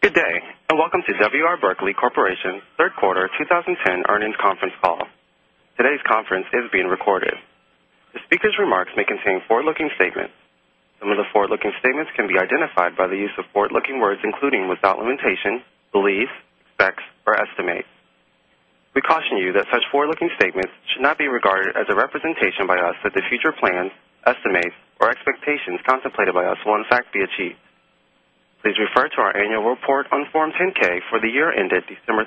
Good day. Welcome to W. R. Berkley Corporation's third quarter 2010 earnings conference call. Today's conference is being recorded. The speaker's remarks may contain forward-looking statements. Some of the forward-looking statements can be identified by the use of forward-looking words, including, without limitation, beliefs, expects, or estimates. We caution you that such forward-looking statements should not be regarded as a representation by us that the future plans, estimates, or expectations contemplated by us will in fact be achieved. Please refer to our annual report on Form 10-K for the year ended December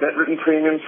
31st,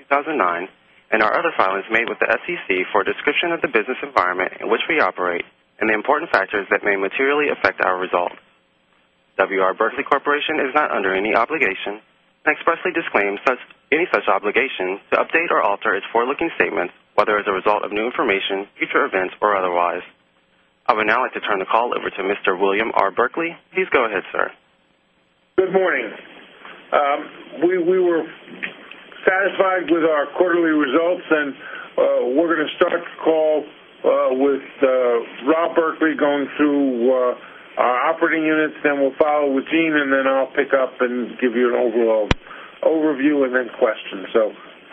2009, and our other filings made with the SEC for a description of the business environment in which we operate and the important factors that may materially affect our results. W. R. Berkley Corporation is not under any obligation and expressly disclaims any such obligation to update or alter its forward-looking statements, whether as a result of new information, future events, or otherwise. I would now like to turn the call over to Mr. William R. Berkley. Please go ahead, sir. Good morning. We were satisfied with our quarterly results. We're going to start the call with Rob Berkley going through our operating units. Then we'll follow with Gene. Then I'll pick up and give you an overview and then questions.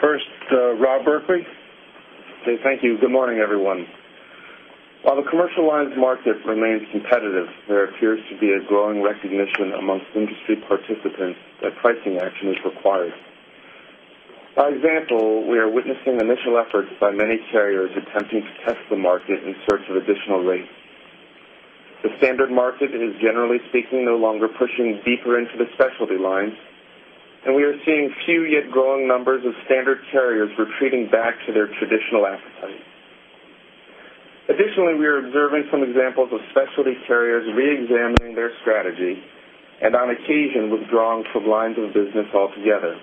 First, Rob Berkley. Okay, thank you. Good morning, everyone. While the commercial lines market remains competitive, there appears to be a growing recognition among industry participants that pricing action is required. By example, we are witnessing initial efforts by many carriers attempting to test the market in search of additional rates. The standard market is, generally speaking, no longer pushing deeper into the specialty lines. We are seeing few yet growing numbers of standard carriers retreating back to their traditional appetite. Additionally, we are observing some examples of specialty carriers re-examining their strategy and on occasion withdrawing from lines of business altogether.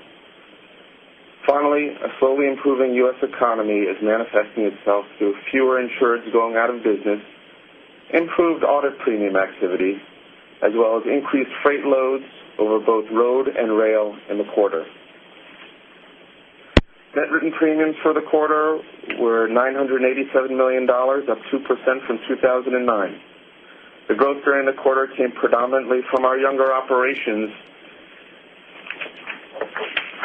Finally, a slowly improving U.S. economy is manifesting itself through fewer insureds going out of business, improved audit premium activity, as well as increased freight loads over both road and rail in the quarter. Net written premiums for the quarter were $987 million, up 2% from 2009. The growth during the quarter came predominantly from our younger operations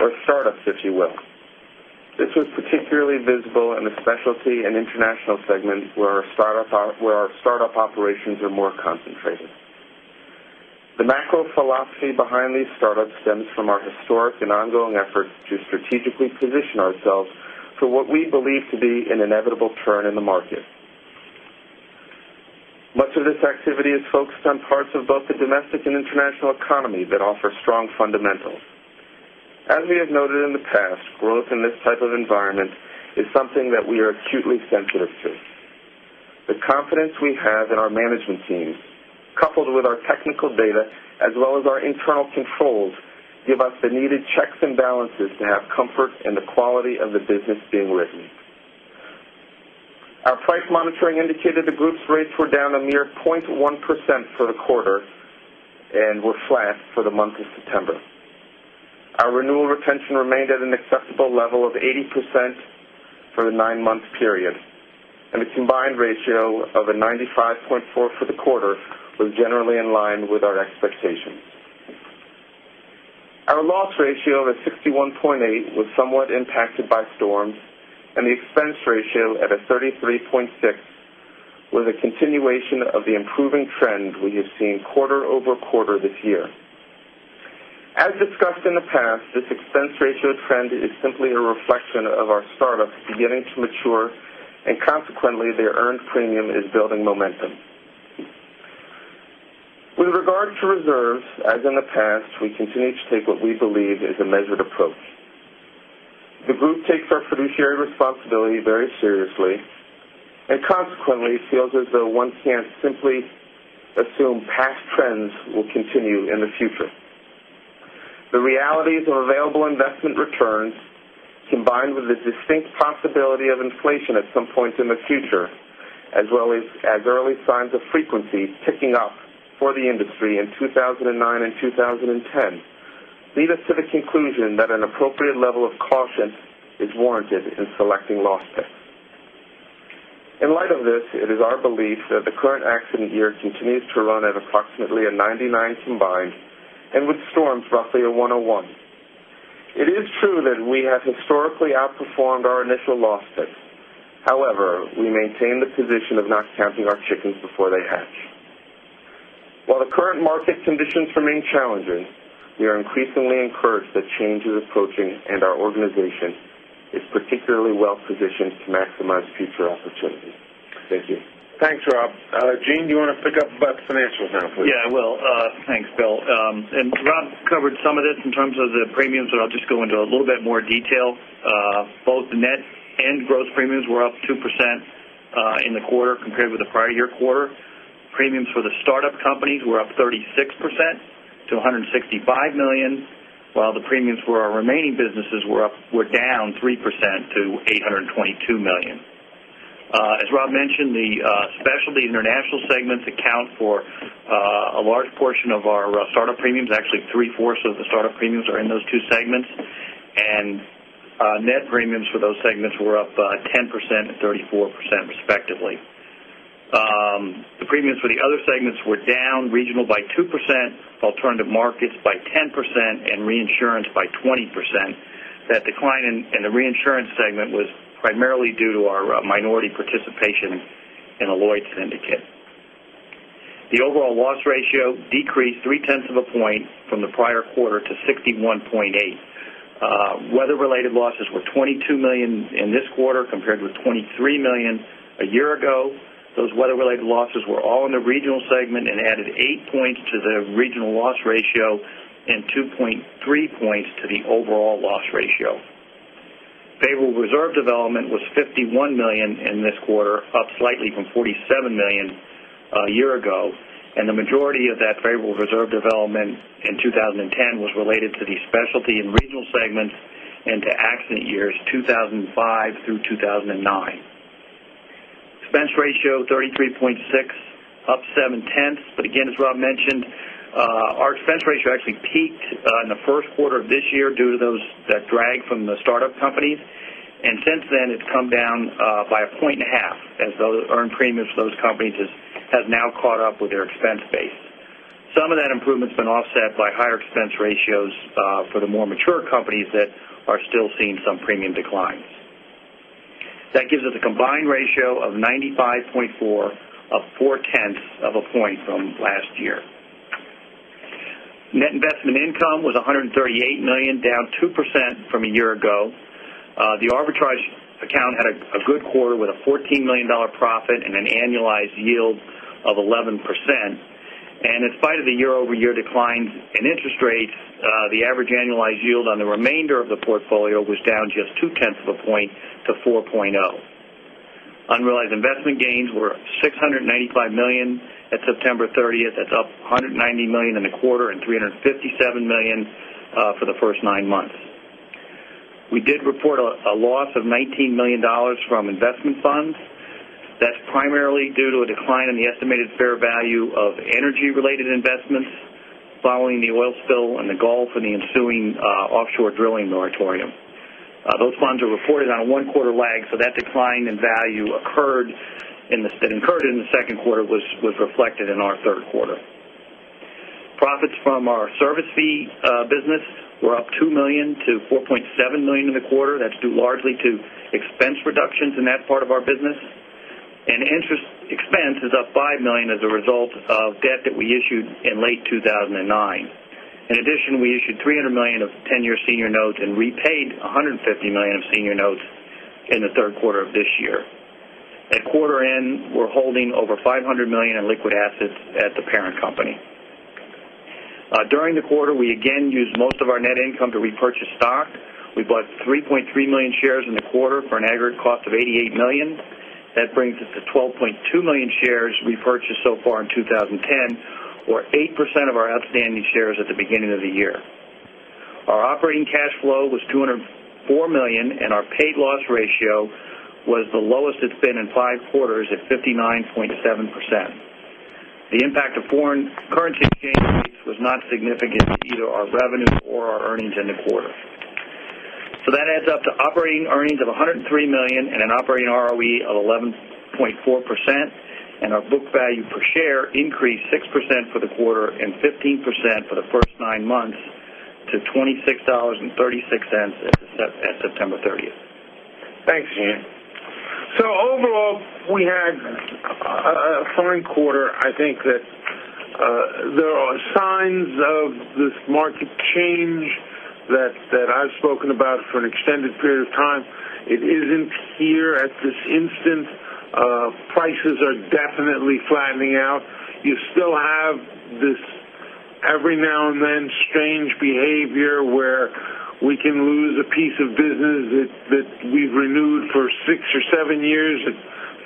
or startups, if you will. This was particularly visible in the specialty and international segments where our startup operations are more concentrated. The macro philosophy behind these startups stems from our historic and ongoing efforts to strategically position ourselves for what we believe to be an inevitable turn in the market. Much of this activity is focused on parts of both the domestic and international economy that offer strong fundamentals. Our renewal retention remained at an acceptable level of 80% for the nine-month period, and a combined ratio of 95.4 for the quarter was generally in line with our expectations. Our loss ratio of 61.8 was somewhat impacted by storms, and the expense ratio of 33.6 was a continuation of the improving trend we have seen quarter-over-quarter this year. As discussed in the past, this expense ratio trend is simply a reflection of our startups beginning to mature, and consequently, their earned premium is building momentum. With regard to reserves, as in the past, we continue to take what we believe is a measured approach. The group takes our fiduciary responsibility very seriously and consequently feels as though one can't simply assume past trends will continue in the future. The realities of available investment returns, combined with the distinct possibility of inflation at some point in the future, as well as early signs of frequency ticking up for the industry in 2009 and 2010, lead us to the conclusion that an appropriate level of caution is warranted in selecting loss pick. In light of this, it is our belief that the current accident year continues to run at approximately a 99 combined, and with storms roughly a 101. It is true that we have historically outperformed our initial loss pick. However, we maintain the position of not counting our chickens before they hatch. While the current market conditions remain challenging, we are increasingly encouraged that change is approaching and our organization is particularly well-positioned to maximize future opportunities. Thank you. Thanks, Rob. Gene, do you want to pick up about the financials now, please? Yeah, I will. Thanks, Bill. Rob covered some of this in terms of the premiums, I'll just go into a little bit more detail. Both the net and gross premiums were up 2% in the quarter compared with the prior year quarter. Premiums for the startup companies were up 36% to $165 million, while the premiums for our remaining businesses were down 3% to $822 million. As Rob mentioned, the specialty international segments account for a large portion of our startup premiums. Actually, three-fourths of the startup premiums are in those two segments, and net premiums for those segments were up 10% and 34% respectively. The premiums for the other segments were down regional by 2%, alternative markets by 10%, and reinsurance by 20%. That decline in the reinsurance segment was primarily due to our minority participation in a Lloyd's syndicate. The overall loss ratio decreased three-tenths of a point from the prior quarter to 61.8. Weather-related losses were $22 million in this quarter, compared with $23 million a year ago. Those weather-related losses were all in the regional segment and added eight points to the regional loss ratio and 2.3 points to the overall loss ratio. Favorable reserve development was $51 million in this quarter, up slightly from $47 million a year ago. The majority of that favorable reserve development in 2010 was related to the specialty and regional segments and to accident years 2005 through 2009. Expense ratio 33.6, up seven-tenths. Again, as Rob mentioned, our expense ratio actually peaked in the first quarter of this year due to that drag from the startup companies. Since then, it's come down by a point and a half as those earned premiums for those companies have now caught up with their expense base. Some of that improvement's been offset by higher expense ratios for the more mature companies that are still seeing some premium declines. That gives us a combined ratio of 95.4, up four-tenths of a point from last year. Net investment income was $138 million, down 2% from a year ago. The arbitrage account had a good quarter with a $14 million profit and an annualized yield of 11%. In spite of the year-over-year declines in interest rates, the average annualized yield on the remainder of the portfolio was down just two-tenths of a point to 4.0. Unrealized investment gains were $695 million at September 30th. That's up $190 million in the quarter and $357 million for the first nine months. We did report a loss of $19 million from investment funds. That's primarily due to a decline in the estimated fair value of energy-related investments following the oil spill in the Gulf and the ensuing offshore drilling moratorium. Those funds are reported on a one quarter lag, so that decline in value that occurred in the second quarter was reflected in our third quarter. Profits from our service fee business were up $2 million to $4.7 million in the quarter. That's due largely to expense reductions in that part of our business. Interest expense is up $5 million as a result of debt that we issued in late 2009. In addition, we issued $300 million of 10-year senior notes and repaid $150 million of senior notes in the third quarter of this year. At quarter end, we're holding over $500 million in liquid assets at the parent company. During the quarter, we again used most of our net income to repurchase stock. We bought 3.3 million shares in the quarter for an aggregate cost of $88 million. That brings us to 12.2 million shares repurchased so far in 2010, or 8% of our outstanding shares at the beginning of the year. Our operating cash flow was $204 million, and our paid loss ratio was the lowest it's been in five quarters at 59.7%. The impact of foreign currency exchange rates was not significant to either our revenue or our earnings in the quarter. That adds up to operating earnings of $103 million and an operating ROE of 11.4%, and our book value per share increased 6% for the quarter and 15% for the first nine months to $26.36 at September 30th. Thanks, Gene. Overall, we had a fine quarter. I think that there are signs of this market change that I've spoken about for an extended period of time. It isn't here at this instant. Prices are definitely flattening out. You still have this every-now-and-then strange behavior where we can lose a piece of business that we've renewed for six or seven years at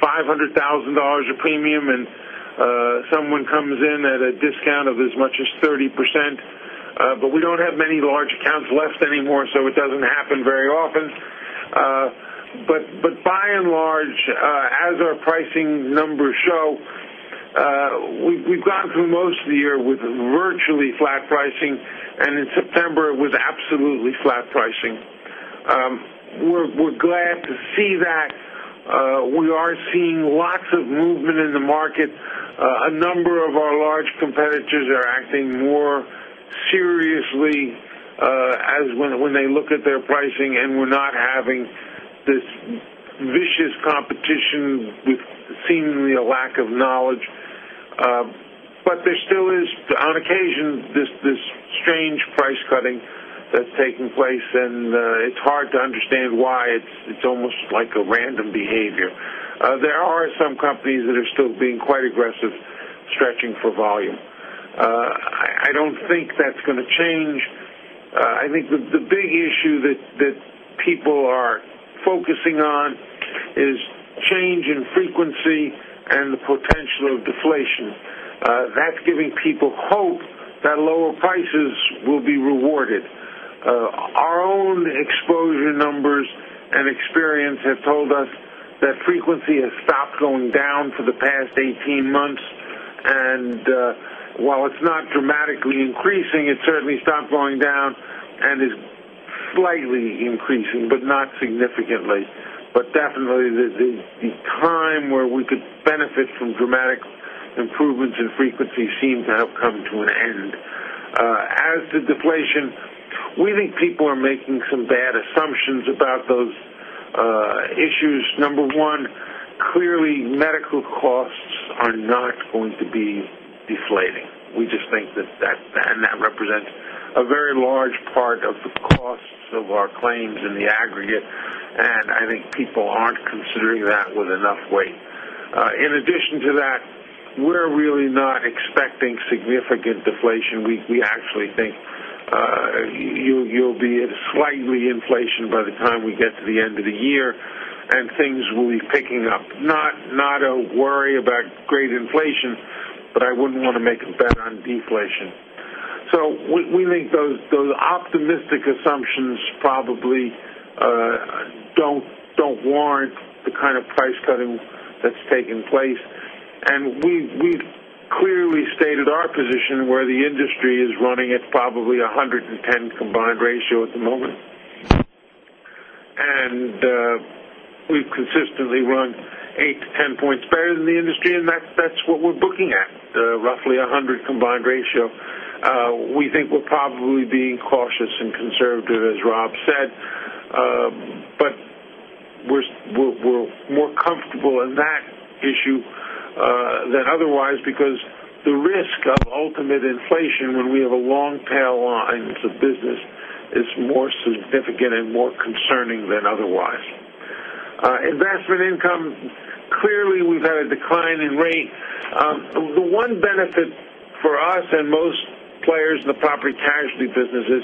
$500,000 a premium, and someone comes in at a discount of as much as 30%. We don't have many large accounts left anymore, so it doesn't happen very often. By and large, as our pricing numbers show, we've gone through most of the year with virtually flat pricing, and in September it was absolutely flat pricing. We're glad to see that. We are seeing lots of movement in the market. A number of our large competitors are acting more seriously when they look at their pricing, and we're not having this vicious competition with seemingly a lack of knowledge. There still is, on occasion, this strange price cutting that's taking place, and it's hard to understand why. It's almost like a random behavior. There are some companies that are still being quite aggressive, stretching for volume. I don't think that's going to change. I think the big issue that people are focusing on is change in frequency and the potential of deflation. That's giving people hope that lower prices will be rewarded. Our own exposure numbers and experience have told us that frequency has stopped going down for the past 18 months, and while it's not dramatically increasing, it certainly stopped going down and is slightly increasing, but not significantly. Definitely, the time where we could benefit from dramatic improvements in frequency seem to have come to an end. As to deflation, we think people are making some bad assumptions about those issues. Number one, clearly medical costs are not going to be deflating. We just think that represents a very large part of the costs of our claims in the aggregate, and I think people aren't considering that with enough weight. In addition to that, we're really not expecting significant deflation. We actually think you'll be at slightly inflation by the time we get to the end of the year and things will be picking up. Not a worry about great inflation, but I wouldn't want to make a bet on deflation. We think those optimistic assumptions probably don't warrant the kind of price cutting that's taken place. We've clearly stated our position where the industry is running at probably 110 combined ratio at the moment. We've consistently run eight to 10 points better than the industry, and that's what we're booking at, roughly 100 combined ratio. We think we're probably being cautious and conservative, as Rob said. We're more comfortable in that issue than otherwise because the risk of ultimate inflation when we have a long-tail line of business is more significant and more concerning than otherwise. Investment income, clearly we've had a decline in rate. The one benefit for us and most players in the property casualty business is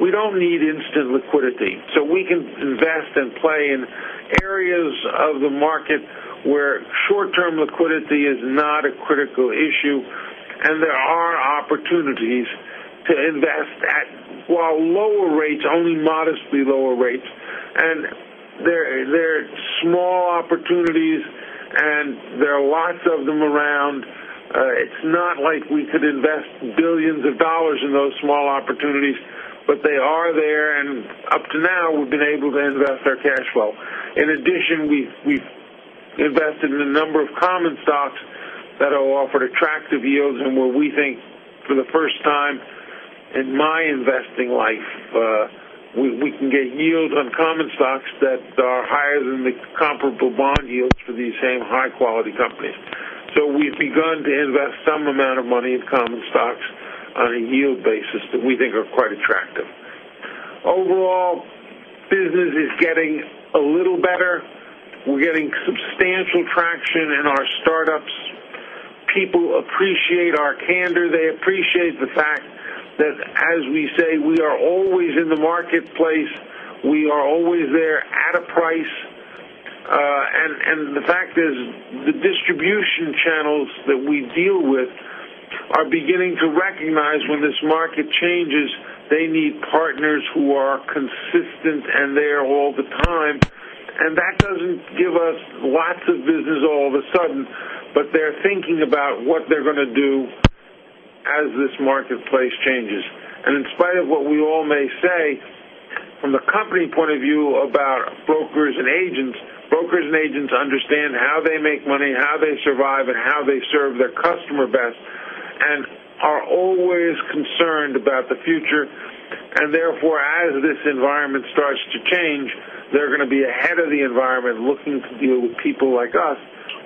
we don't need instant liquidity. We can invest and play in areas of the market where short-term liquidity is not a critical issue, and there are opportunities to invest at, while lower rates, only modestly lower rates. There are small opportunities. There are lots of them around. It's not like we could invest billions of dollars in those small opportunities, but they are there. Up to now, we've been able to invest our cash flow. In addition, we've invested in a number of common stocks that have offered attractive yields, and where we think, for the first time in my investing life, we can get yields on common stocks that are higher than the comparable bond yields for these same high-quality companies. We've begun to invest some amount of money in common stocks on a yield basis that we think are quite attractive. Overall, business is getting a little better. We're getting substantial traction in our startups. People appreciate our candor. They appreciate the fact that, as we say, we are always in the marketplace. We are always there at a price. The fact is, the distribution channels that we deal with are beginning to recognize when this market changes, they need partners who are consistent and there all the time. That doesn't give us lots of business all of a sudden, but they're thinking about what they're going to do as this marketplace changes. In spite of what we all may say, from the company point of view about brokers and agents, brokers and agents understand how they make money, how they survive, and how they serve their customer best, and are always concerned about the future. Therefore, as this environment starts to change, they're going to be ahead of the environment looking to deal with people like us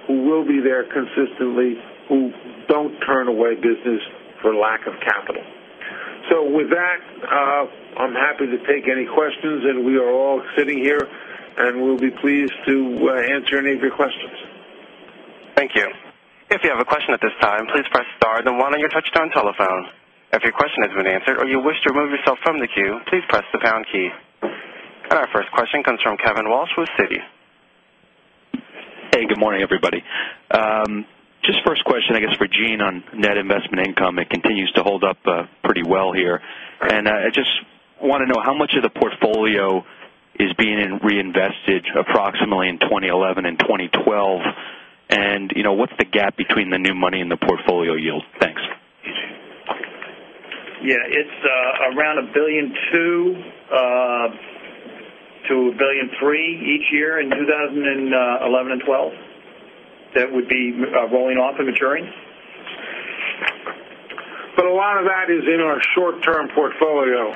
who will be there consistently, who don't turn away business for lack of capital. With that, I'm happy to take any questions, and we are all sitting here, and we'll be pleased to answer any of your questions. Thank you. If you have a question at this time, please press star then one on your touchtone telephone. If your question has been answered or you wish to remove yourself from the queue, please press the pound key. Our first question comes from Kevin Walsh with Citi. Good morning, everybody. Just first question, I guess, for Gene on net investment income. It continues to hold up pretty well here. I just want to know how much of the portfolio is being reinvested approximately in 2011 and 2012. What's the gap between the new money and the portfolio yield? Thanks. Yeah. It's around $1.2 billion-$1.3 billion each year in 2011 and 2012 that would be rolling off and maturing. A lot of that is in our short-term portfolio.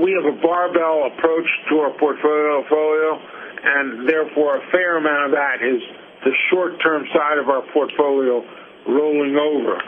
We have a barbell approach to our portfolio, and therefore, a fair amount of that is the short-term side of our portfolio rolling over.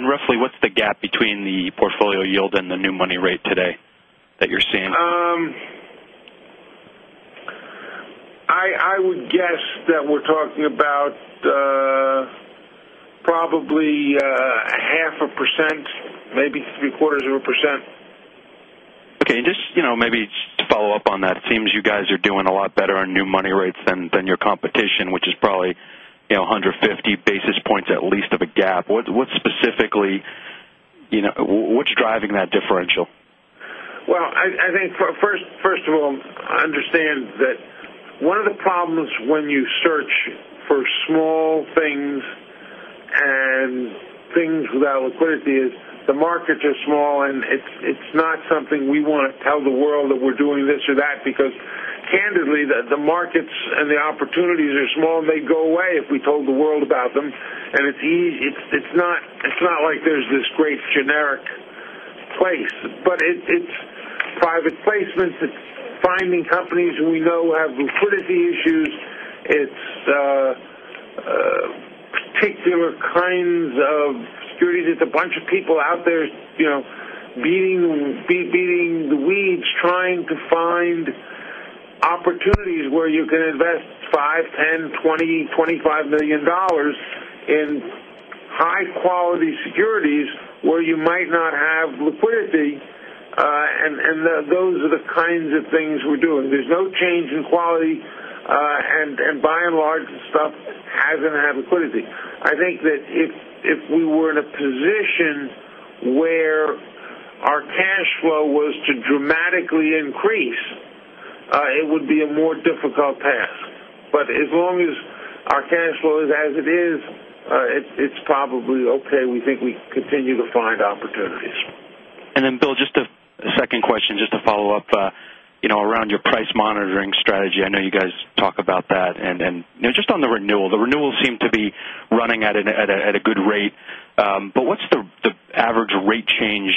Roughly, what's the gap between the portfolio yield and the new money rate today that you're seeing? I would guess that we're talking about probably 0.5%, maybe 0.75%. Okay. Just maybe just to follow up on that, it seems you guys are doing a lot better on new money rates than your competition, which is probably 150 basis points at least of a gap. What's driving that differential? Well, I think first of all, understand that one of the problems when you search for small things and things without liquidity is the markets are small, and it's not something we want to tell the world that we're doing this or that because candidly, the markets and the opportunities are small. They go away if we told the world about them. It's not like there's this great generic place. It's private placements. It's finding companies who we know have liquidity issues. It's particular kinds of securities. It's a bunch of people out there beating the weeds trying to find opportunities where you can invest $5 million, $10 million, $20 million, $25 million in high-quality securities where you might not have liquidity, and those are the kinds of things we're doing. There's no change in quality. By and large, the stuff is going to have liquidity. I think that if we were in a position where our cash flow was to dramatically increase, it would be a more difficult task. As long as our cash flow is as it is, it's probably okay. We think we continue to find opportunities. Then Bill, just a second question, just to follow up around your price monitoring strategy. I know you guys talk about that. Just on the renewal. The renewals seem to be running at a good rate. What's the average rate change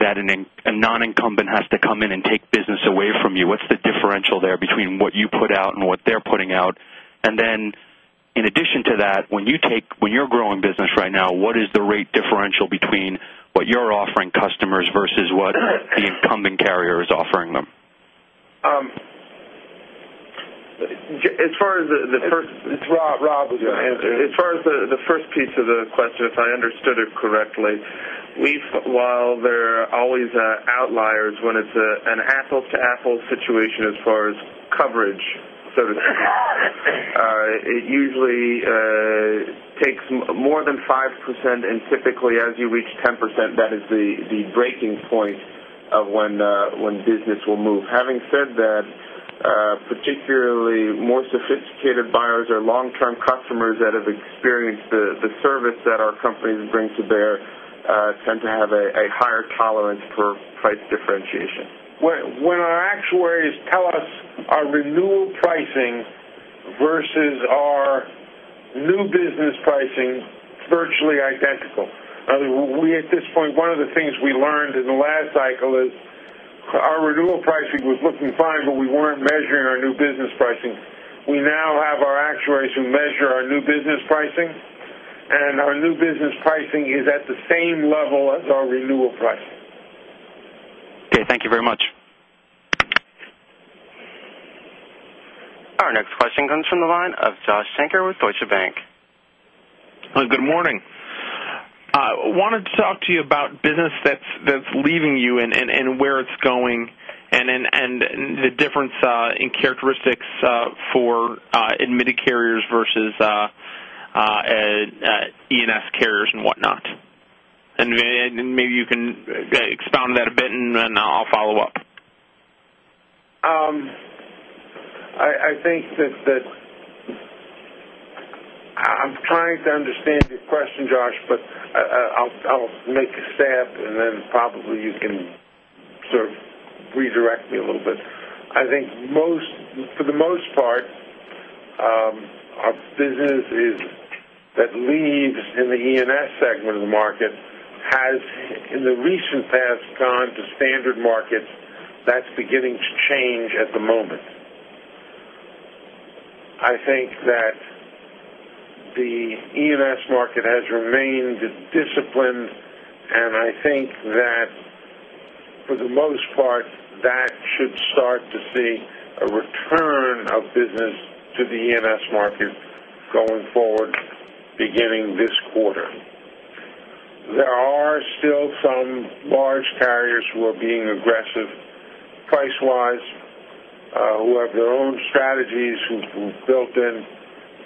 that a non-incumbent has to come in and take business away from you? What's the differential there between what you put out and what they're putting out? Then in addition to that, when you're growing business right now, what is the rate differential between what you're offering customers versus what the incumbent carrier is offering them? As far as the first- It's Rob. Rob is going to answer. As far as the first piece of the question, if I understood it correctly, tend to have a higher tolerance for price differentiation. When our actuaries tell us our renewal pricing versus our new business pricing, virtually identical. We at this point, one of the things we learned in the last cycle is our renewal pricing was looking fine, but we weren't measuring our new business pricing. We now have our actuaries who measure our new business pricing, and our new business pricing is at the same level as our renewal pricing. Okay. Thank you very much. Our next question comes from the line of Joshua Shanker with Deutsche Bank. Good morning. I wanted to talk to you about business that's leaving you and where it's going and the difference in characteristics for admitted carriers versus E&S carriers and whatnot. Maybe you can expound on that a bit, then I'll follow up. I'm trying to understand your question, Josh, I'll make a stab, then probably you can sort of redirect me a little bit. I think for the most part, our business that leaves in the E&S segment of the market has, in the recent past, gone to standard markets. That's beginning to change at the moment. I think that the E&S market has remained disciplined, I think that for the most part, that should start to see a return of business to the E&S market going forward, beginning this quarter. There are still some large carriers who are being aggressive price-wise, who have their own strategies, who've built in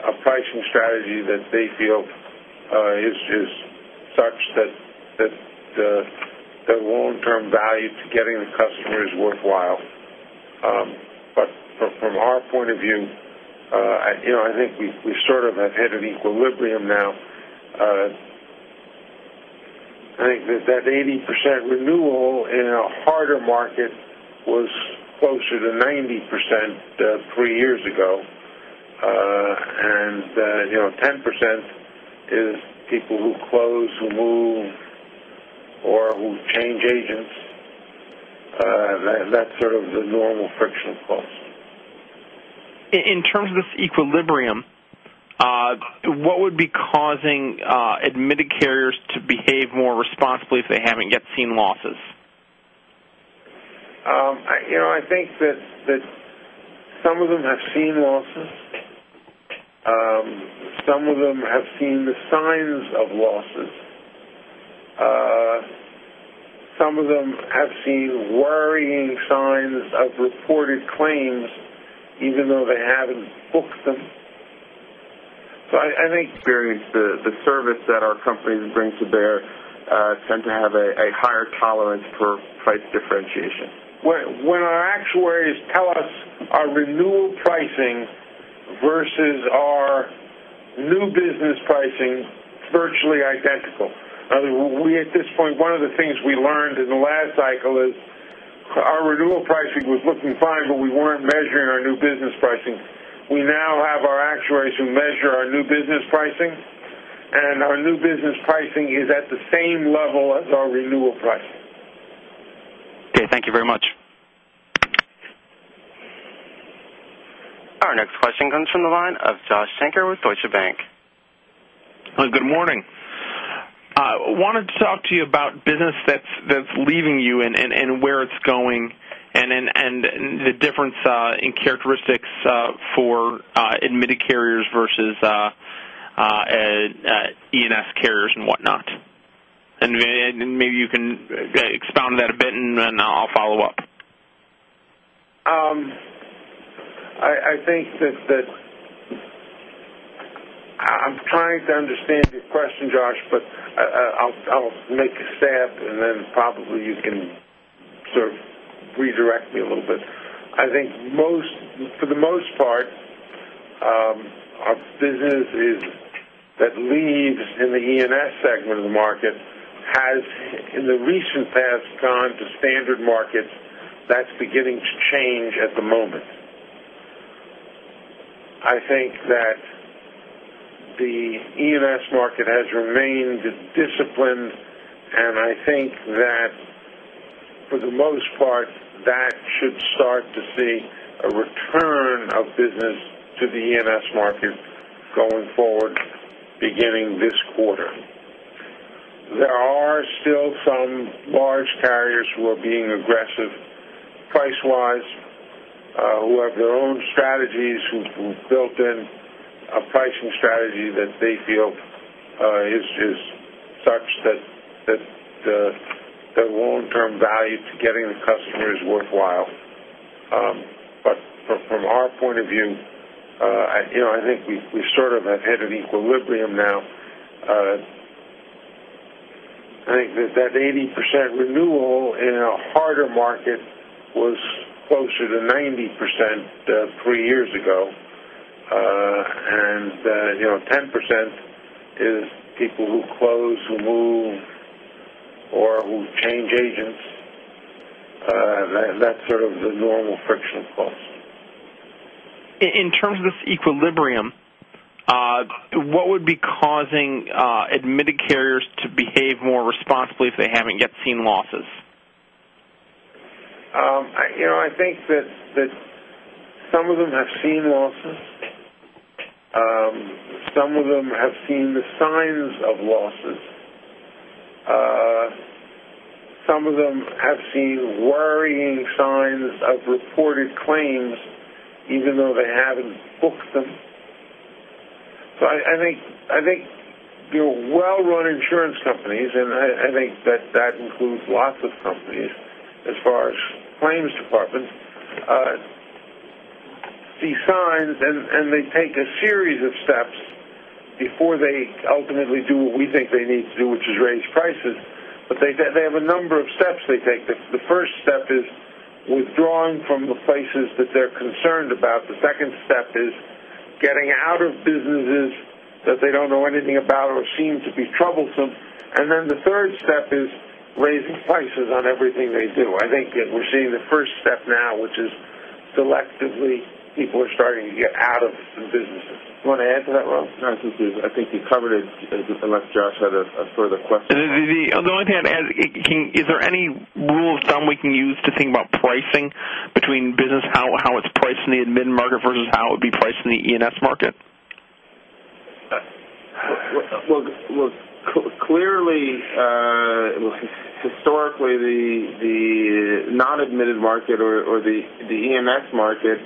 a pricing strategy that they feel is the long-term value to getting the customer is worthwhile. From our point of view, I think we sort of have hit an equilibrium now. I think that that 80% renewal in a harder market was closer to 90% three years ago. 10% is people who close, who move, or who change agents. That's sort of the normal friction cost. In terms of this equilibrium, what would be causing admitted carriers to behave more responsibly if they haven't yet seen losses? I think that some of them have seen losses. These signs. They take a series of steps before they ultimately do what we think they need to do, which is raise prices. They have a number of steps they take. The first step is withdrawing from the places that they're concerned about. The second step is getting out of businesses that they don't know anything about or seem to be troublesome. The third step is raising prices on everything they do. I think that we're seeing the first step now, which is selectively people are starting to get out of some businesses. You want to add to that, Rob? No, I think you covered it, unless Josh had a further question. The only thing I'd add, is there any rule of thumb we can use to think about pricing between business, how it's priced in the admitted market versus how it would be priced in the E&S market? Well, clearly, historically, the non-admitted market or the E&S market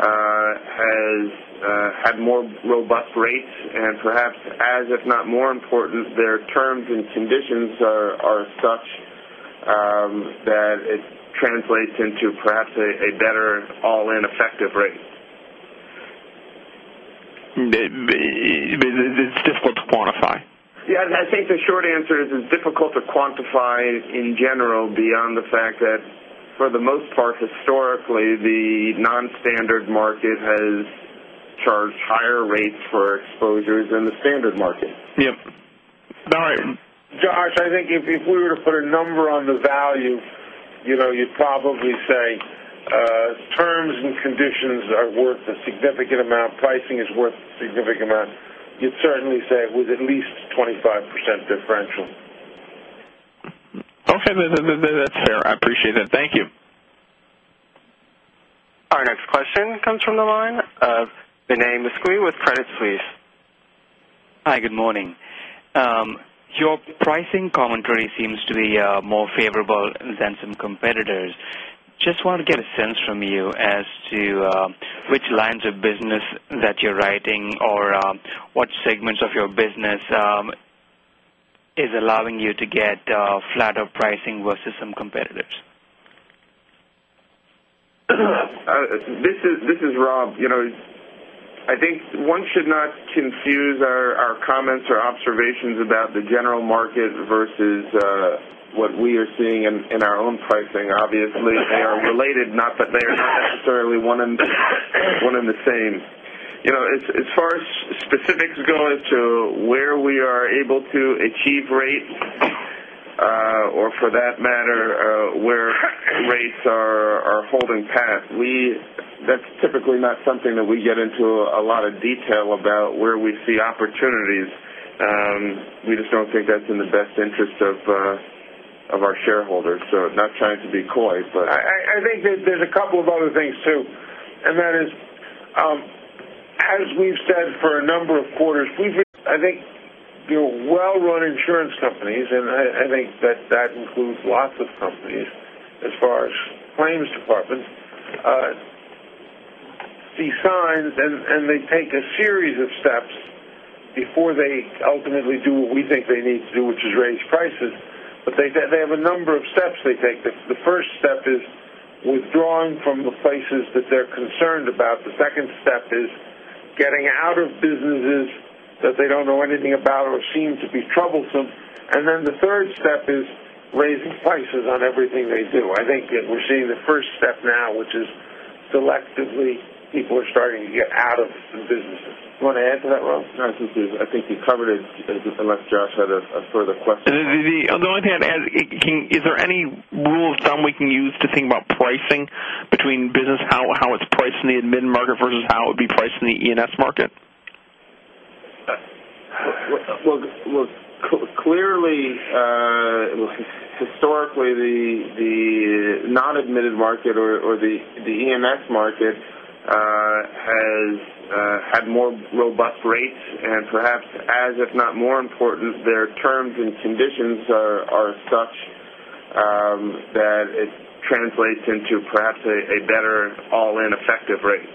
has had more robust rates. Perhaps as if not more important, their terms and conditions are such that it translates into perhaps a better all-in effective rate. It's difficult to quantify. Yeah. I think the short answer is it's difficult to quantify in general beyond the fact that for the most part, historically, the non-standard market has charged higher rates for exposures than the standard market. Yep. All right. Josh, I think if we were to put a number on the value, you'd probably say terms and conditions are worth a significant amount. Pricing is worth a significant amount. You'd certainly say it was at least 25% differential. Okay. That's fair. I appreciate that. Thank you. Our next question comes from the line of Vinay Misquith with Credit Suisse. Hi, good morning. Your pricing commentary seems to be more favorable than some competitors. Just want to get a sense from you as to which lines of business that you're writing or what segments of your business is allowing you to get flatter pricing versus some competitors. This is Rob. I think one should not confuse our comments or observations about the general market versus what we are seeing in our own pricing. Obviously, they are related. They are not necessarily one and the same. As far as specifics go as to where we are able to achieve rates, or for that matter, where rates are holding pat, that's typically not something that we get into a lot of detail about where we see opportunities. We just don't think that's in the best interest of our shareholders. Not trying to be coy. I think there's a couple of other things, too. That is, as we've said for a number of quarters, I think your well-run insurance companies, I think that includes lots of companies as far as claims departments decides and they take a series of steps before they ultimately do what we think they need to do, which is raise prices. They have a number of steps they take. The first step is withdrawing from the places that they're concerned about. The second step is getting out of businesses that they don't know anything about or seem to be troublesome. The third step is raising prices on everything they do. I think that we're seeing the first step now, which is selectively, people are starting to get out of some businesses. You want to add to that, Rob? No. I think you covered it unless Josh had a further question. The only thing I'd add. Is there any rule of thumb we can use to think about pricing between business, how it's priced in the admitted market versus how it would be priced in the E&S market? Look, clearly, historically, the non-admitted market or the E&S market has had more robust rates and perhaps as if not more important, their terms and conditions are such that it translates into perhaps a better all-in effective rate.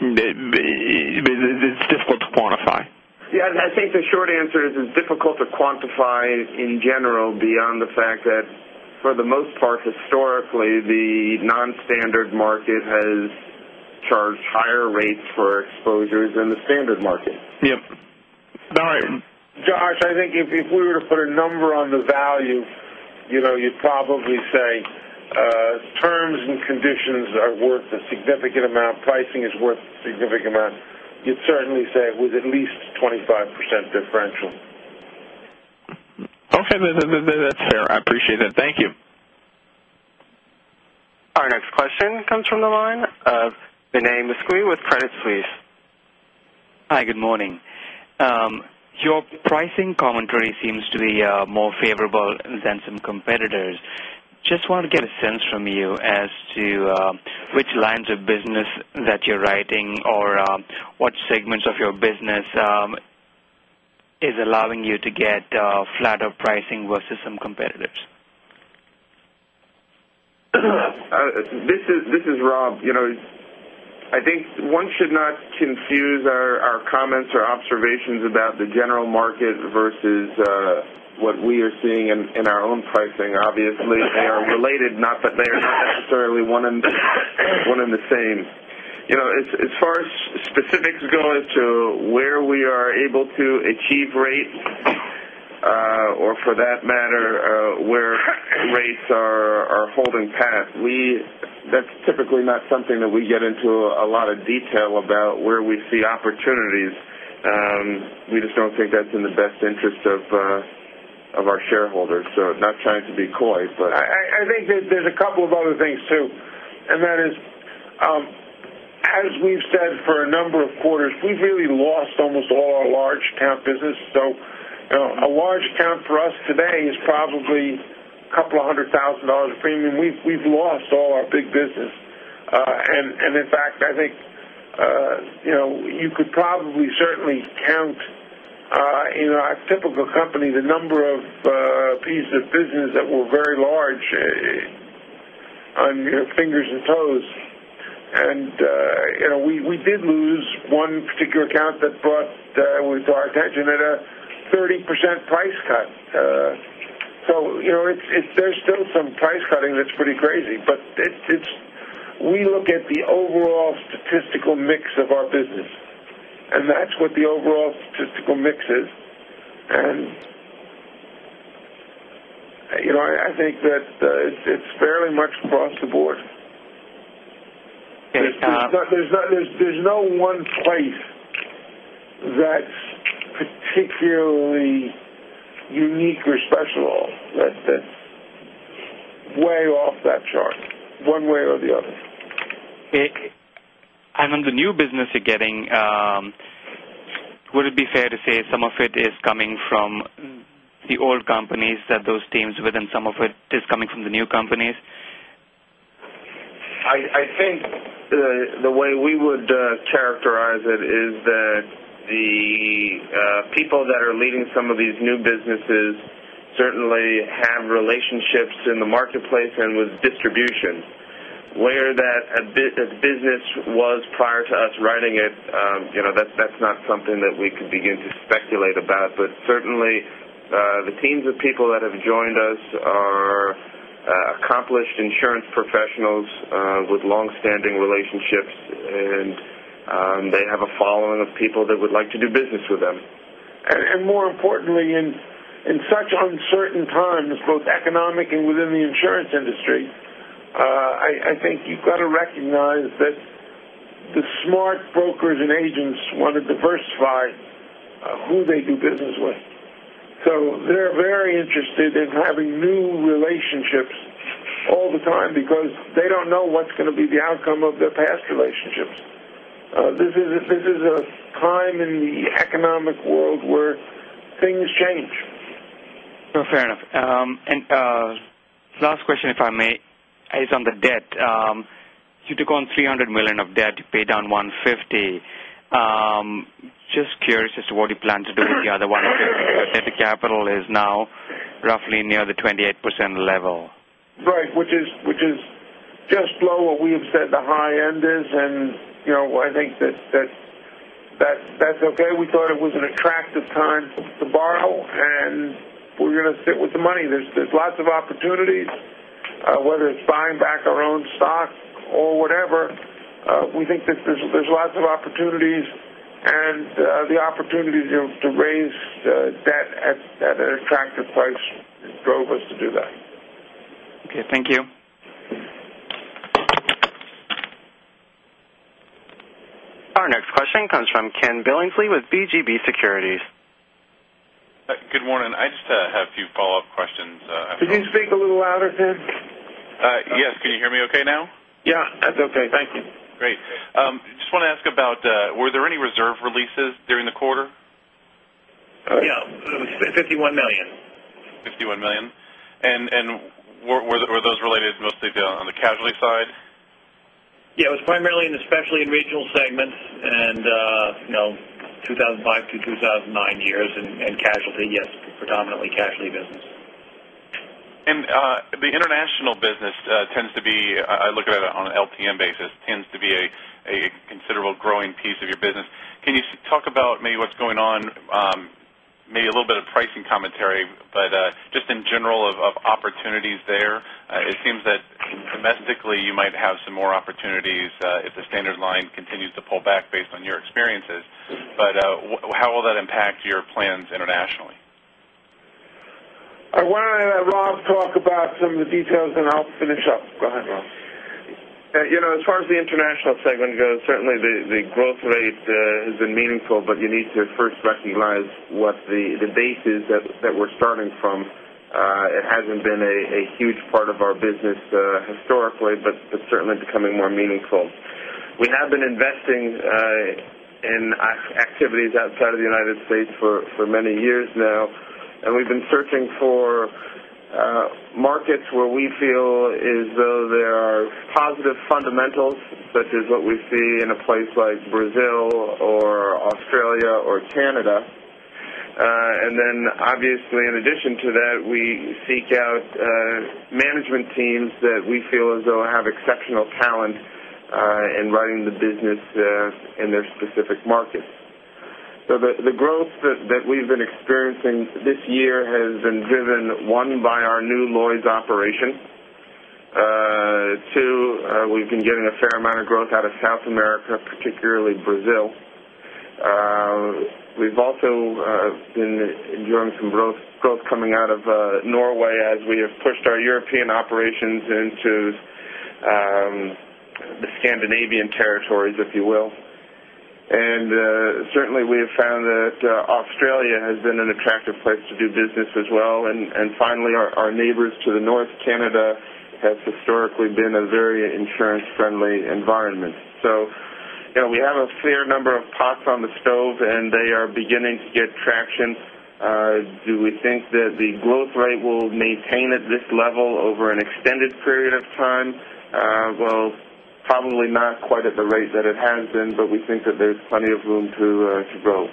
It's difficult to quantify. Yeah. I think the short answer is it is difficult to quantify in general beyond the fact that for the most part, historically, the non-standard market has charged higher rates for exposures than the standard market. Yep. All right. Josh, I think if we were to put a number on the value, you would probably say terms and conditions are worth a significant amount. Pricing is worth a significant amount. You would certainly say it was at least 25% differential. Okay. That is fair. I appreciate that. Thank you. Our next question comes from the line of Vinay Misquith with Credit Suisse. Hi, good morning. Your pricing commentary seems to be more favorable than some competitors. Just want to get a sense from you as to which lines of business that you're writing or what segments of your business is allowing you to get flatter pricing versus some competitors. This is Rob. I think one should not confuse our comments or observations about the general market versus what we are seeing in our own pricing. Obviously, they are related, but they are not necessarily one and the same. As far as specifics go as to where we are able to achieve rates, or for that matter, where rates are holding pat, that's typically not something that we get into a lot of detail about where we see opportunities. We just don't think that's in the best interest of our shareholders. I think there's a couple of other things, too, and that is, as we've said for a number of quarters, we've really lost almost all our large account business. A large count for us today is probably a couple of hundred thousand USD of premium. We've lost all our big business. In fact, I think you could probably certainly count in our typical company, the number of pieces of business that were very large on your fingers and toes. We did lose one particular account that brought to our attention at a 30% price cut. There's still some price cutting that's pretty crazy. We look at the overall statistical mix of our business, and that's what the overall statistical mix is. I think that it's fairly much across the board. Okay. There's no one place that's particularly unique or special that's way off that chart one way or the other. On the new business you're getting, would it be fair to say some of it is coming from the old companies that those teams were then some of it is coming from the new companies? I think the way we would characterize it is that the people that are leading some of these new businesses certainly have relationships in the marketplace and with distribution. Where that business was prior to us writing it, that's not something that we could begin to speculate about. Certainly, the teams of people that have joined us are accomplished insurance professionals with long-standing relationships, and they have a following of people that would like to do business with them. More importantly, in such uncertain times, both economic and within the insurance industry, I think you've got to recognize that the smart brokers and agents want to diversify who they do business with. They're very interested in having new relationships all the time because they don't know what's going to be the outcome of their past relationships. This is a time in the economic world where things change. No, fair enough. Last question, if I may, is on the debt. You took on $300 million of debt to pay down $150 million. Just curious as to what you plan to do with the other $150 million. Net capital is now roughly near the 28% level. Right, which is just below what we have said the high end is, and I think that's okay. We thought it was an attractive time to borrow, and we're going to sit with the money. There's lots of opportunities. Whether it's buying back our own stock or whatever, we think that there's lots of opportunities and the opportunity to raise debt at an attractive price drove us to do that. Okay. Thank you. Our next question comes from Kenneth Billingsley with BGB Securities. Good morning. I just have a few follow-up questions. Could you speak a little louder, Ken? Yes. Can you hear me okay now? Yeah. That's okay. Thank you. Great. Just want to ask about, were there any reserve releases during the quarter? Yeah. $51 million. $51 million. Were those related mostly on the casualty side? Yeah, it was primarily in the specialty and regional segments and 2005-2009 years and casualty. Yes, predominantly casualty business. The international business tends to be, I look at it on an LTM basis, tends to be a considerable growing piece of your business. Can you talk about maybe what's going on, maybe a little bit of pricing commentary, but just in general of opportunities there? It seems that domestically you might have some more opportunities if the standard line continues to pull back based on your experiences. How will that impact your plans internationally? I want to have Rob talk about some of the details, then I'll finish up. Go ahead, Rob. As far as the international segment goes, certainly the growth rate has been meaningful, but you need to first recognize what the base is that we're starting from. It hasn't been a huge part of our business historically, but it's certainly becoming more meaningful. We have been investing in activities outside of the United States for many years now, and we've been searching for markets where we feel as though there are positive fundamentals, such as what we see in a place like Brazil or Australia or Canada. Then obviously, in addition to that, we seek out management teams that we feel as though have exceptional talent in running the business in their specific markets. The growth that we've been experiencing this year has been driven, one, by our new Lloyd's operation. Two, we've been getting a fair amount of growth out of South America, particularly Brazil. We've also been enjoying some growth coming out of Norway as we have pushed our European operations into the Scandinavian territories, if you will. Certainly, we have found that Australia has been an attractive place to do business as well. Finally, our neighbors to the north, Canada, has historically been a very insurance-friendly environment. We have a fair number of pots on the stove, and they are beginning to get traction. Do we think that the growth rate will maintain at this level over an extended period of time? Well, probably not quite at the rate that it has been, but we think that there's plenty of room to grow.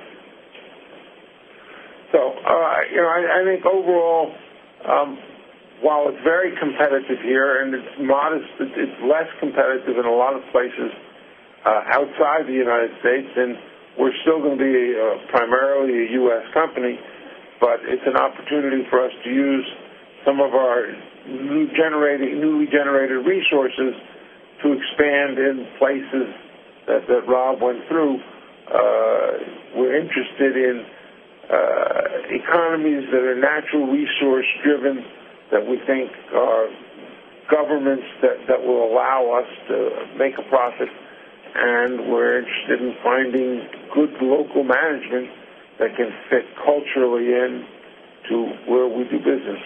I think overall, while it's very competitive here and it's less competitive in a lot of places outside the U.S., we're still going to be primarily a U.S. company. It's an opportunity for us to use some of our newly generated resources to expand in places that Rob went through. We're interested in economies that are natural resource driven that we think are governments that will allow us to make a profit. We're interested in finding good local management that can fit culturally in to where we do business.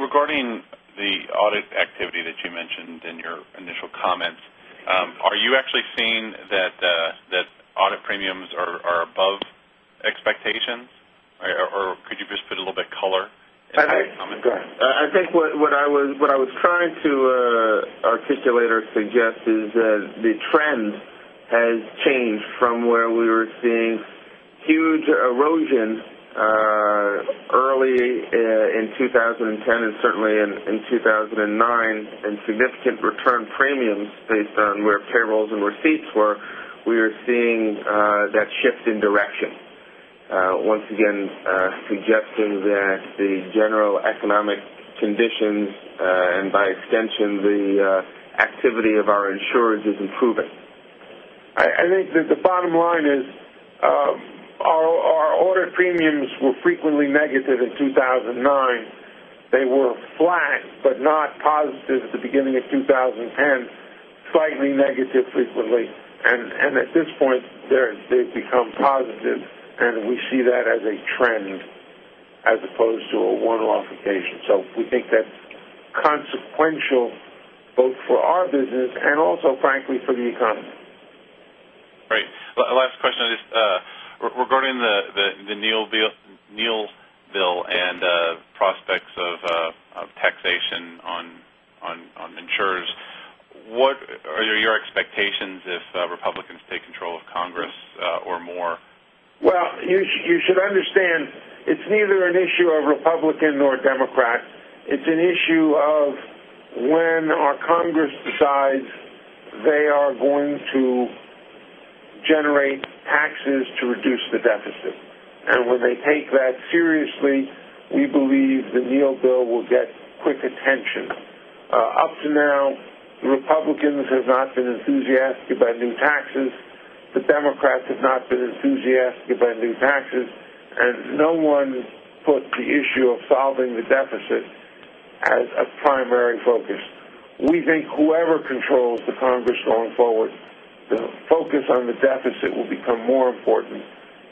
Regarding the audit activity that you mentioned in your initial comments, are you actually seeing that audit premiums are above expectations? Could you just put a little bit color in that comment? Go ahead. I think what I was trying to articulate or suggest is that the trend has changed from where we were seeing huge erosion early in 2010 and certainly in 2009. Significant return premiums based on where payrolls and receipts were. We are seeing that shift in direction. Once again, suggesting that the general economic conditions, and by extension, the activity of our insurers is improving. I think that the bottom line is, our audit premiums were frequently negative in 2009. They were flat, but not positive at the beginning of 2010, slightly negative frequently. At this point, they've become positive, and we see that as a trend as opposed to a one-off occasion. We think that's consequential both for our business and also, frankly, for the economy. Great. Last question. Regarding the Neal bill and prospects of taxation on insurers, what are your expectations if Republicans take control of Congress, or more? Well, you should understand, it's neither an issue of Republican nor Democrat. It's an issue of when our Congress decides they are going to generate taxes to reduce the deficit. When they take that seriously, we believe the Neal bill will get quick attention. Up to now, Republicans have not been enthusiastic about new taxes. The Democrats have not been enthusiastic about new taxes, and no one put the issue of solving the deficit as a primary focus. We think whoever controls the Congress going forward, the focus on the deficit will become more important,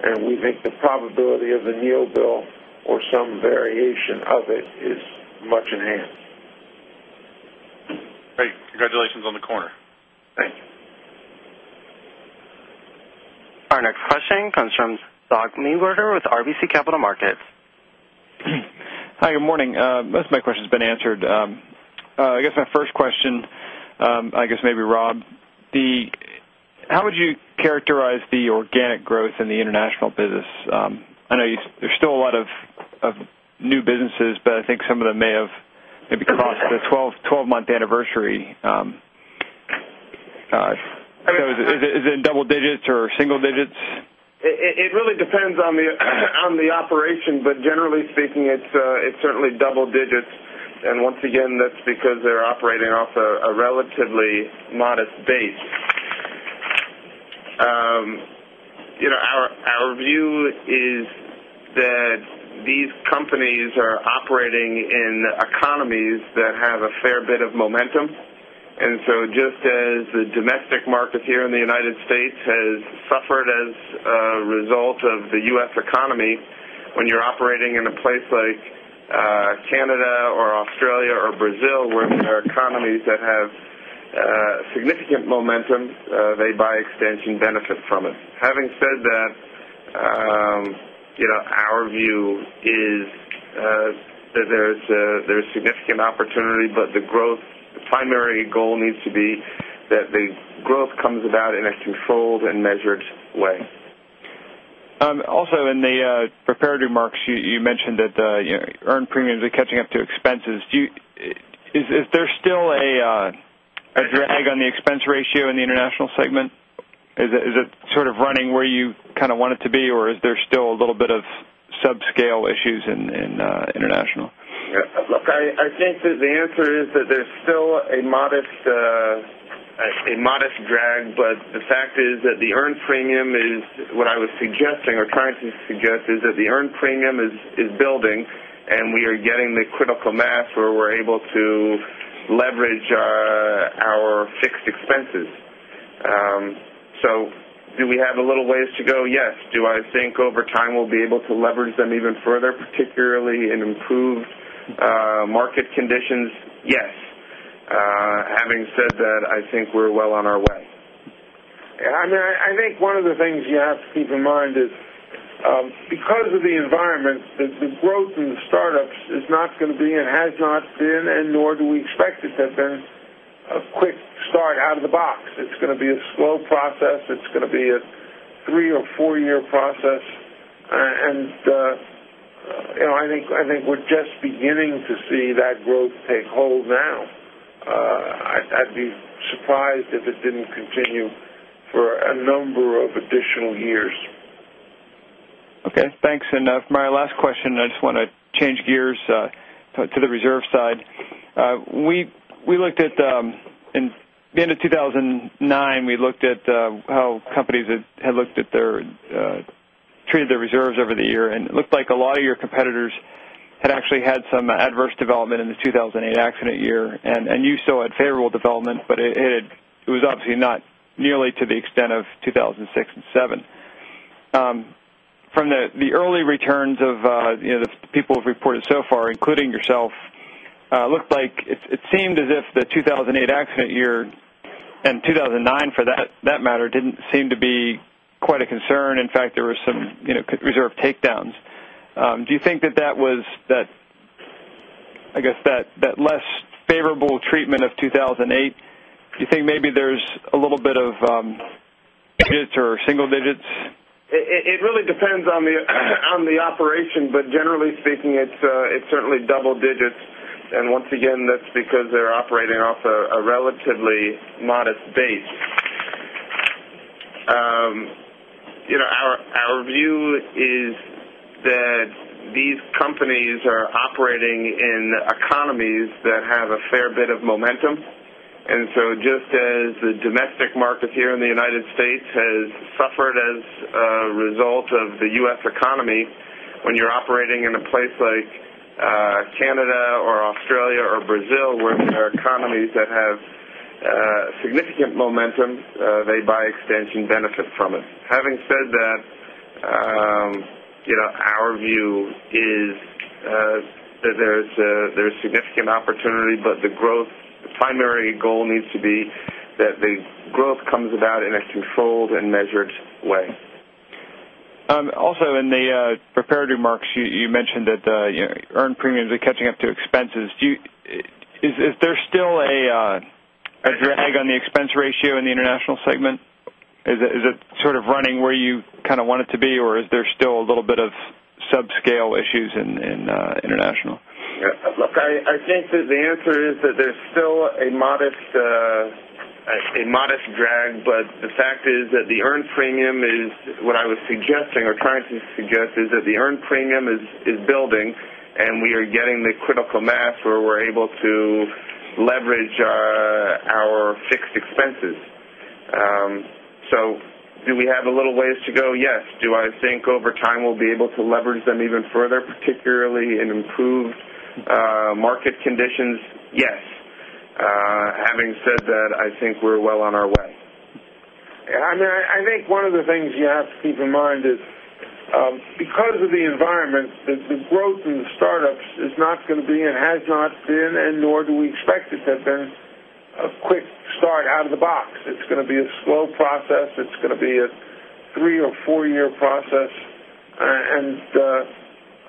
and we think the probability of the Neal bill or some variation of it is much enhanced. Great. Congratulations on the quarter. Thank you. Our next question comes from Doug Niewierowski with RBC Capital Markets. Hi, good morning. Most of my question's been answered. My first question, maybe Rob, how would you characterize the organic growth in the international business? I know there's still a lot of new businesses, but I think some of them may have maybe crossed the 12-month anniversary. Is it in double digits or single digits? Generally speaking, it's certainly double digits. Once again, that's because they're operating off a relatively modest base. Our view is that these companies are operating in economies that have a fair bit of momentum. Just as the domestic market here in the U.S. has suffered as a result of the U.S. economy, when you're operating in a place like Canada or Australia or Brazil, where there are economies that have significant momentum, they by extension benefit from it. Having said that, our view is that there's significant opportunity, the primary goal needs to be that the growth comes about in a controlled and measured way. In the prepared remarks, you mentioned that earned premiums are catching up to expenses. Is there still a drag on the expense ratio in the international segment? Is it sort of running where you kind of want it to be, or is there still a little bit of subscale issues in international? Look, I think that the answer is that there's still a modest drag, but the fact is that the earned premium is what I was suggesting or trying to suggest is that the earned premium is building, and we are getting the critical mass where we're able to leverage our fixed expenses. Do we have a little ways to go? Yes. Do I think over time we'll be able to leverage them even further, particularly in improved market conditions? Yes. Having said that, I think we're well on our way. I think one of the things you have to keep in mind is because of the environment, the growth in the startups is not going to be and has not been, nor do we expect it have been a quick start out of the box. It's going to be a slow process. It's going to be a three or four-year process. I think we're just beginning to see that growth take hold now. I'd be surprised if it didn't continue for a number of additional years. Okay, thanks. For my last question, I just want to change gears to the reserve side. In the end of 2009, we looked at how companies had treated their reserves over the year, and it looked like a lot of your competitors had actually had some adverse development in the 2008 accident year. You still had favorable development, but it was obviously not nearly to the extent of 2006 and 2007. From the early returns of the people who've reported so far, including yourself, it seemed as if the 2008 accident year, and 2009 for that matter, didn't seem to be quite a concern. In fact, there were some reserve takedowns. Do you think that less favorable treatment of 2008, do you think maybe there's a little bit of [inaudible] or single digits? It really depends on the operation. Generally speaking, it's certainly double digits, and once again, that's because they're operating off a relatively modest base. Our view is that these companies are operating in economies that have a fair bit of momentum. Just as the domestic market here in the U.S. has suffered as a result of the U.S. economy, when you're operating in a place like Canada or Australia or Brazil, where there are economies that have significant momentum, they by extension benefit from it. Having said that, our view is that there's significant opportunity, but the primary goal needs to be that the growth comes about in a controlled and measured way. Also, in the prepared remarks, you mentioned that earned premiums are catching up to expenses. Is there still a drag on the expense ratio in the international segment? Is it sort of running where you kind of want it to be, or is there still a little bit of sub-scale issues in international? Look, I think that the answer is that there's still a modest drag, but the fact is that the earned premium is what I was suggesting, or trying to suggest, is that the earned premium is building, and we are getting the critical mass where we're able to leverage our fixed expenses. Do we have a little ways to go? Yes. Do I think over time we'll be able to leverage them even further, particularly in improved market conditions? Yes. Having said that, I think we're well on our way. I think one of the things you have to keep in mind is because of the environment, the growth in the startups is not going to be, and has not been, and nor do we expect it to have been, a quick start out of the box. It's going to be a slow process. It's going to be a three or four-year process.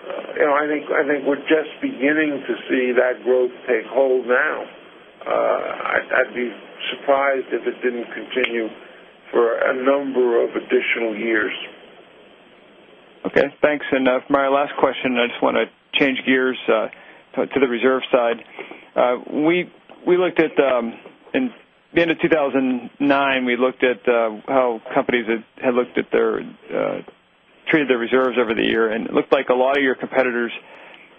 I think we're just beginning to see that growth take hold now. I'd be surprised if it didn't continue for a number of additional years. Okay, thanks. For my last question, I just want to change gears to the reserve side. At the end of 2009, we looked at how companies had treated their reserves over the year, and it looked like a lot of your competitors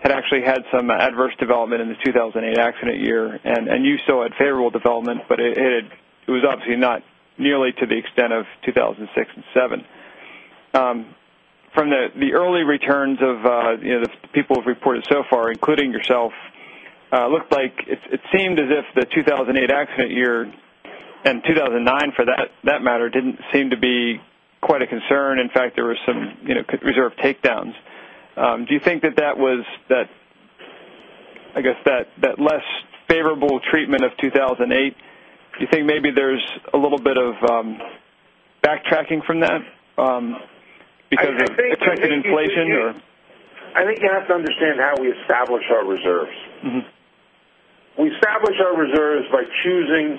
had actually had some adverse development in the 2008 accident year. You still had favorable development, but it was obviously not nearly to the extent of 2006 and 2007. From the early returns of the people who've reported so far, including yourself, it seemed as if the 2008 accident year, and 2009 for that matter, didn't seem to be quite a concern. In fact, there were some reserve takedowns. Do you think that less favorable treatment of 2008, do you think maybe there's a little bit of backtracking from that because of expected inflation, or? I think you have to understand how we establish our reserves. We establish our reserves by choosing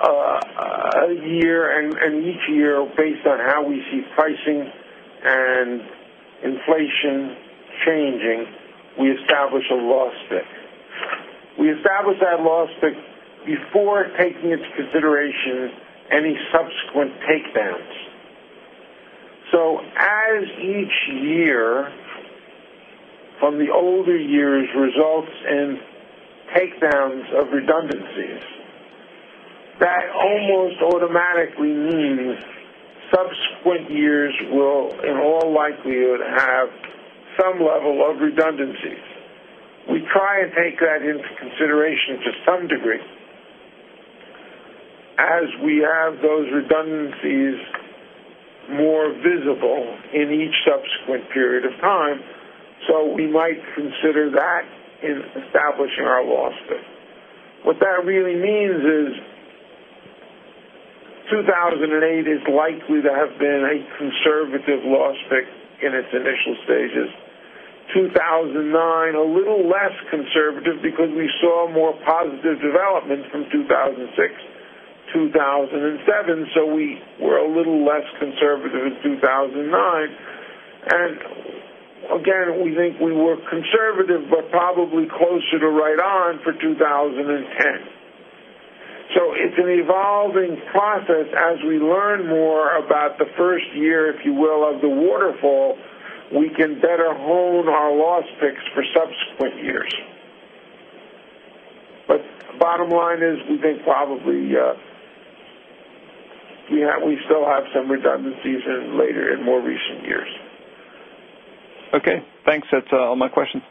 a year, and each year, based on how we see pricing and inflation changing, we establish a loss pick. We establish that loss pick before taking into consideration any subsequent takedowns. As each year from the older years results in takedowns of redundancies, that almost automatically means subsequent years will, in all likelihood, have some level of redundancies. We try and take that into consideration to some degree as we have those redundancies more visible in each subsequent period of time. We might consider that in establishing our loss pick. What that really means is 2008 is likely to have been a conservative loss pick in its initial stages. 2009, a little less conservative because we saw more positive development from 2006, 2007, so we were a little less conservative in 2009. Again, we think we were conservative but probably closer to right on for 2010. It's an evolving process as we learn more about the first year, if you will, of the waterfall, we can better hone our loss picks for subsequent years. Bottom line is, we think probably, we still have some redundancies later in more recent years. Okay, thanks. That's all my questions.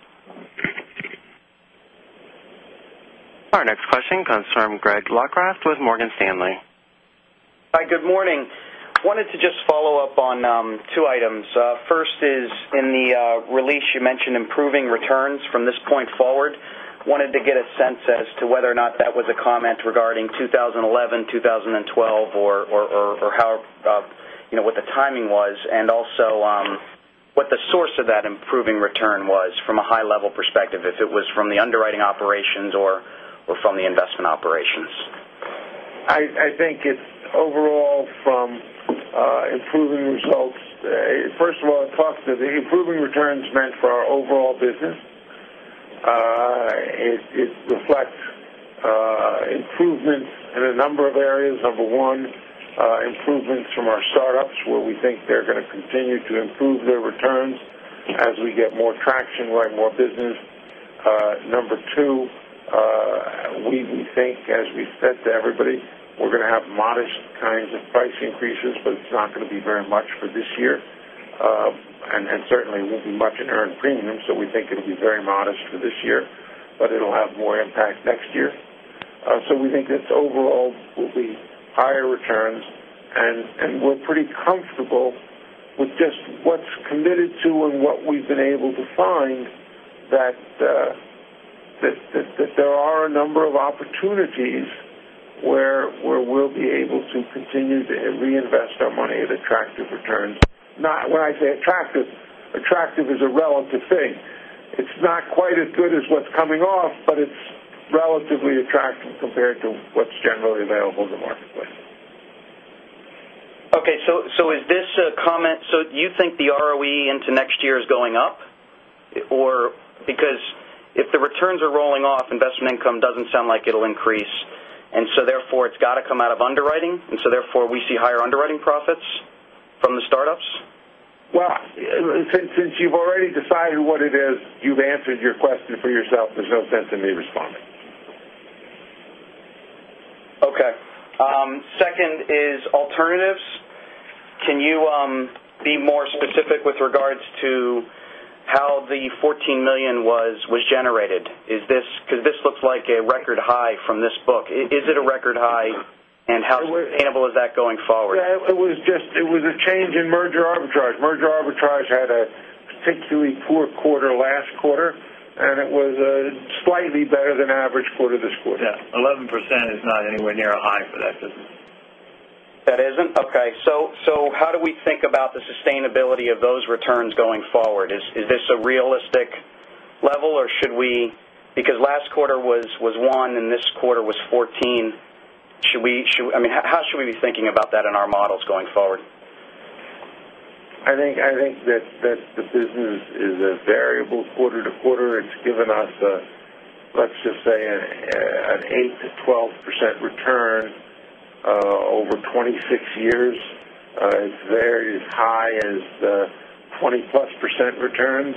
Our next question comes from Greg Locraft with Morgan Stanley. Hi, good morning. I wanted to just follow up on two items. First is in the release you mentioned improving returns from this point forward. I wanted to get a sense as to whether or not that was a comment regarding 2011, 2012 or what the timing was, and also what the source of that improving return was from a high level perspective, if it was from the underwriting operations or from the investment operations. I think it's overall from improving results. First of all, improving returns meant for our overall business. It reflects improvements in a number of areas. Number 1, improvements from our startups where we think they're going to continue to improve their returns as we get more traction, write more business. Number 2, we think, as we've said to everybody, we're going to have modest kinds of price increases, but it's not going to be very much for this year. Certainly, it won't be much in earned premium, we think it'll be very modest for this year, but it'll have more impact next year. We think it overall will be higher returns, and we're pretty comfortable with just what's committed to and what we've been able to find that there are a number of opportunities where we'll be able to continue to reinvest our money at attractive returns. When I say attractive is a relative thing. It's not quite as good as what's coming off, but it's relatively attractive compared to what's generally available in the marketplace. Okay. Do you think the ROE into next year is going up? Because if the returns are rolling off, investment income doesn't sound like it'll increase. Therefore, it's got to come out of underwriting, and so therefore, we see higher underwriting profits from the startups? Well, since you've already decided what it is, you've answered your question for yourself. There's no sense in me responding. Okay. Second is alternatives. Can you be more specific with regards to how the $14 million was generated? This looks like a record high from this book. Is it a record high, and how sustainable is that going forward? Yeah, it was a change in merger arbitrage. Merger arbitrage had a particularly poor quarter last quarter, and it was a slightly better than average quarter this quarter. Yeah. 11% is not anywhere near a high for that business. That isn't? Okay. How do we think about the sustainability of those returns going forward? Is this a realistic level or should we Because last quarter was one and this quarter was 14. How should we be thinking about that in our models going forward? I think that the business is a variable quarter to quarter. It's given us, let's just say, an 8%-12% return over 26 years. It's as high as 20%+ returns.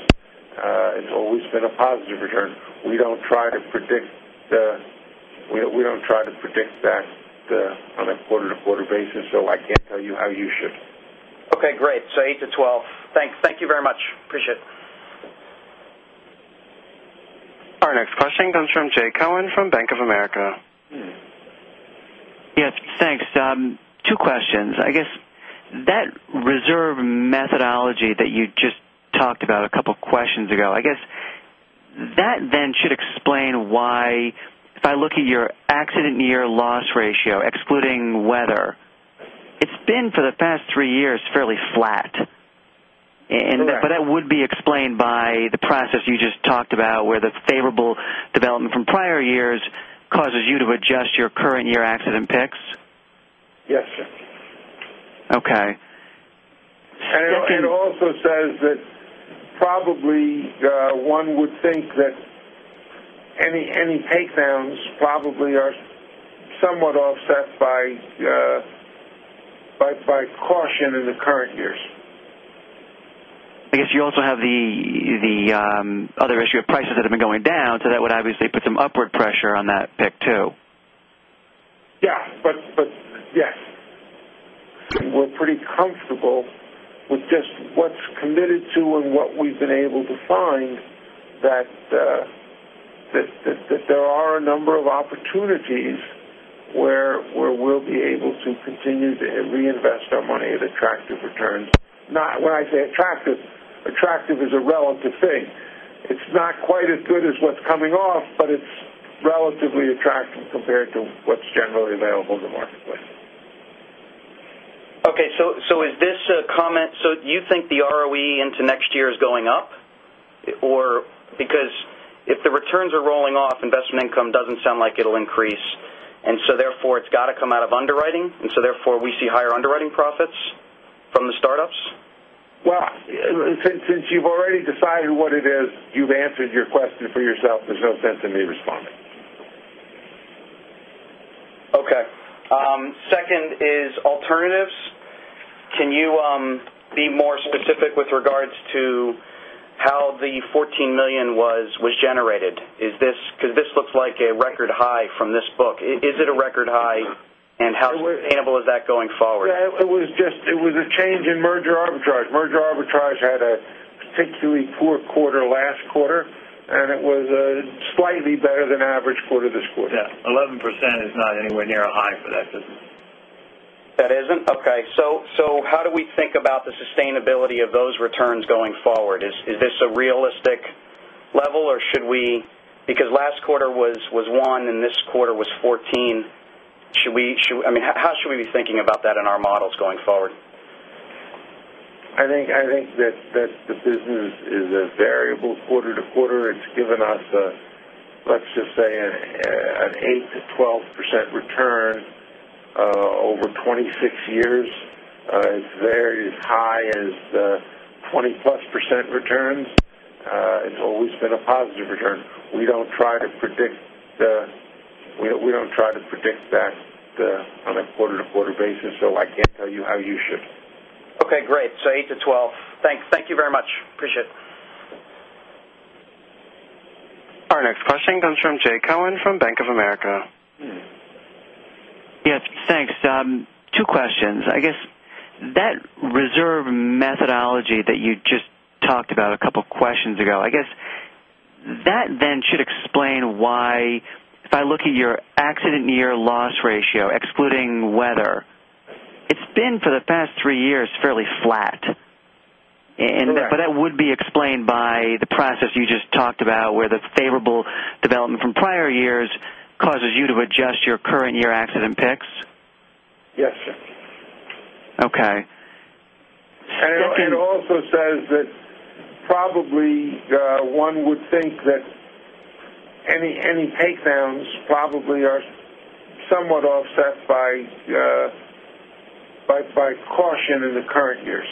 It's always been a positive return. I don't try to predict that on a quarter-to-quarter basis, so I can't tell you how you should. Okay, great. 8 to 12. Thanks. Thank you very much. Appreciate it. Our next question comes from Jay Cohen from Bank of America. Yes, thanks. Two questions. I guess that reserve methodology that you just talked about a couple of questions ago, I guess that then should explain why, if I look at your accident year loss ratio, excluding weather, it's been for the past three years fairly flat. Correct. That would be explained by the process you just talked about, where the favorable development from prior years causes you to adjust your current year loss picks? Yes, sir. Okay. It also says that probably one would think that any takedowns probably are somewhat offset by caution in the current years. I guess you also have the other issue of prices that have been going down, that would obviously put some upward pressure on that pick, too. Yes. We're pretty comfortable with just what's committed to and what we've been able to find that there are a number of opportunities where we'll be able to continue to reinvest our money at attractive returns. When I say attractive is a relative thing. It's not quite as good as what's coming off, but it's relatively attractive compared to what's generally available in the marketplace. Okay. You think the ROE into next year is going up? If the returns are rolling off, investment income doesn't sound like it'll increase, therefore it's got to come out of underwriting, therefore we see higher underwriting profits from the startups? Since you've already decided what it is, you've answered your question for yourself. There's no sense in me responding. Okay. Second is alternatives. Can you be more specific with regards to how the $14 million was generated? This looks like a record high from this book. Is it a record high, and how sustainable is that going forward? It was a change in merger arbitrage. Merger arbitrage had a particularly poor quarter last quarter, it was a slightly better than average quarter this quarter. Yeah. 11% is not anywhere near a high for that business. That isn't? Okay. How do we think about the sustainability of those returns going forward? Is this a realistic level, or should we-- Because last quarter was one and this quarter was 14. How should we be thinking about that in our models going forward? I think that the business is a variable quarter to quarter. It's given us a, let's just say, an 8%-12% return over 26 years. It's very as high as the 20%+ returns. It's always been a positive return. We don't try to predict that on a quarter-to-quarter basis, I can't tell you how you should. Okay, great. 8%-12%. Thanks. Thank you very much. Appreciate it. Our next question comes from Jay Cohen from Bank of America. Yes, thanks. Two questions. I guess that reserve methodology that you just talked about a couple of questions ago, I guess that should explain why, if I look at your accident year loss ratio, excluding weather, it's been for the past three years fairly flat. Correct. That would be explained by the process you just talked about, where the favorable development from prior years causes you to adjust your current year accident picks? Yes, sir. Okay. It also says that probably one would think that any takedowns probably are somewhat offset by caution in the current years.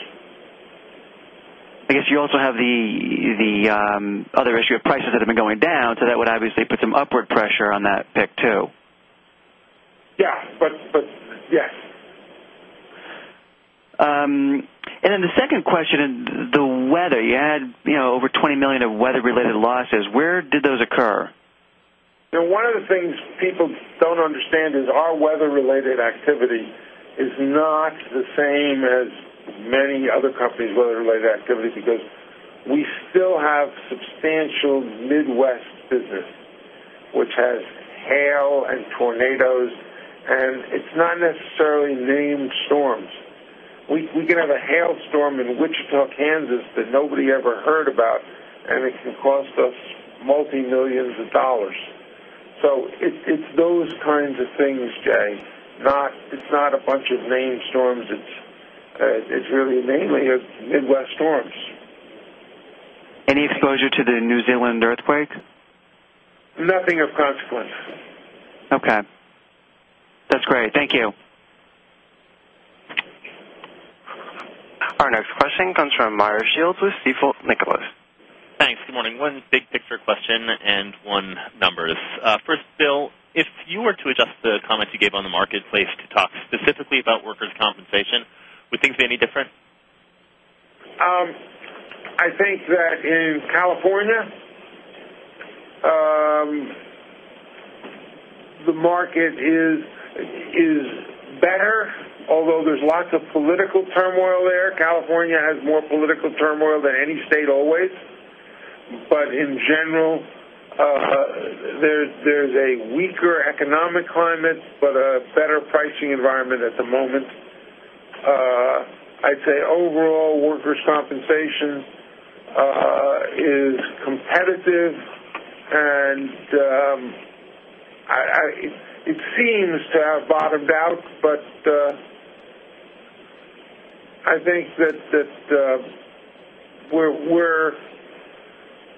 I guess you also have the other issue of prices that have been going down, so that would obviously put some upward pressure on that pick, too. Yes. The second question, the weather. You had over $20 million of weather-related losses. Where did those occur? One of the things people don't understand is our weather-related activity is not the same as many other companies' weather-related activity because we still have substantial Midwest business, which has hail and tornadoes, and it's not necessarily named storms. We can have a hailstorm in Wichita, Kansas, that nobody ever heard about, and it can cost us multi-millions of dollars. It's those kinds of things, Jay. It's not a bunch of named storms. It's really mainly Midwest storms. Any exposure to the New Zealand earthquake? Nothing of consequence. Okay. That's great. Thank you. Our next question comes from Meyer Shields with Stifel Nicolaus. Thanks. Good morning. One big picture question and one numbers. First, Bill, if you were to adjust the comment you gave on the marketplace to talk specifically about workers' compensation, would things be any different? I think that in California, the market is better, although there's lots of political turmoil there. California has more political turmoil than any state always. In general, there's a weaker economic climate, but a better pricing environment at the moment. I'd say overall, workers' compensation is competitive and it seems to have bottomed out. I think that we're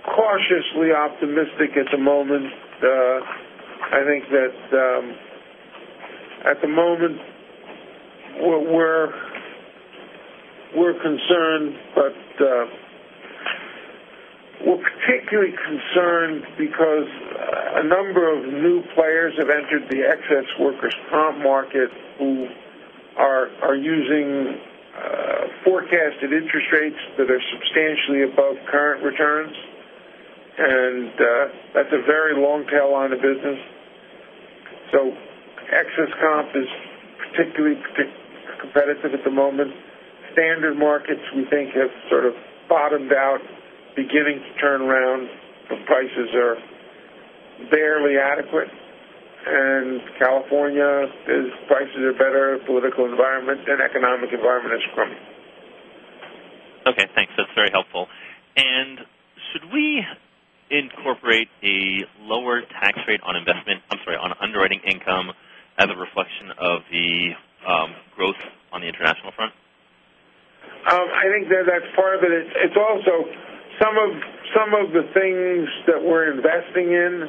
cautiously optimistic at the moment. I think that at the moment, we're concerned, but we're particularly concerned because a number of new players have entered the excess workers' comp market who are using forecasted interest rates that are substantially above current returns, and that's a very long tail line of business. Excess comp is particularly competitive at the moment. Standard markets we think have sort of bottomed out, beginning to turn around, but prices are barely adequate. California, prices are better, political environment and economic environment is crummy. A lower tax rate on investment, I'm sorry, on underwriting income as a reflection of the growth on the international front? I think that that's part of it. It's also some of the things that we're investing in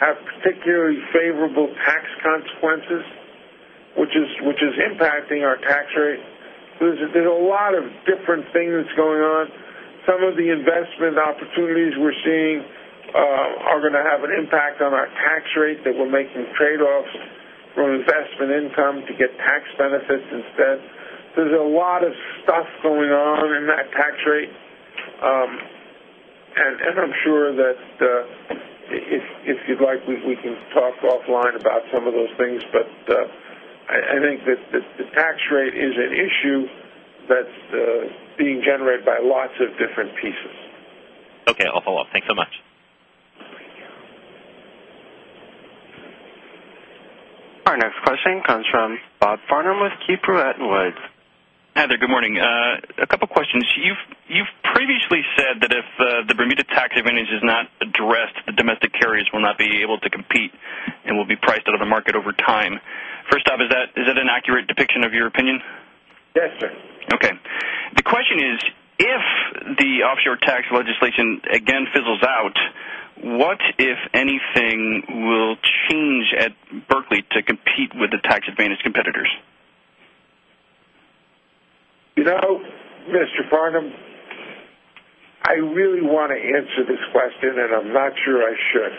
have particularly favorable tax consequences, which is impacting our tax rate. There's a lot of different things going on. Some of the investment opportunities we're seeing are going to have an impact on our tax rate, that we're making trade-offs from investment income to get tax benefits instead. There's a lot of stuff going on in that tax rate. I'm sure that if you'd like, we can talk offline about some of those things. I think that the tax rate is an issue that's being generated by lots of different pieces. Okay. I'll follow up. Thanks so much. Our next question comes from Bob Farnum with KeyBanc. Hi there. Good morning. A couple questions. You've previously said that if the Bermuda tax advantage is not addressed, domestic carriers will not be able to compete and will be priced out of the market over time. First off, is that an accurate depiction of your opinion? Yes, sir. Okay. The question is, if the offshore tax legislation again fizzles out, what, if anything, will change at Berkley to compete with the tax-advantaged competitors? You know, Mr. Farnum, I really want to answer this question, and I'm not sure I should.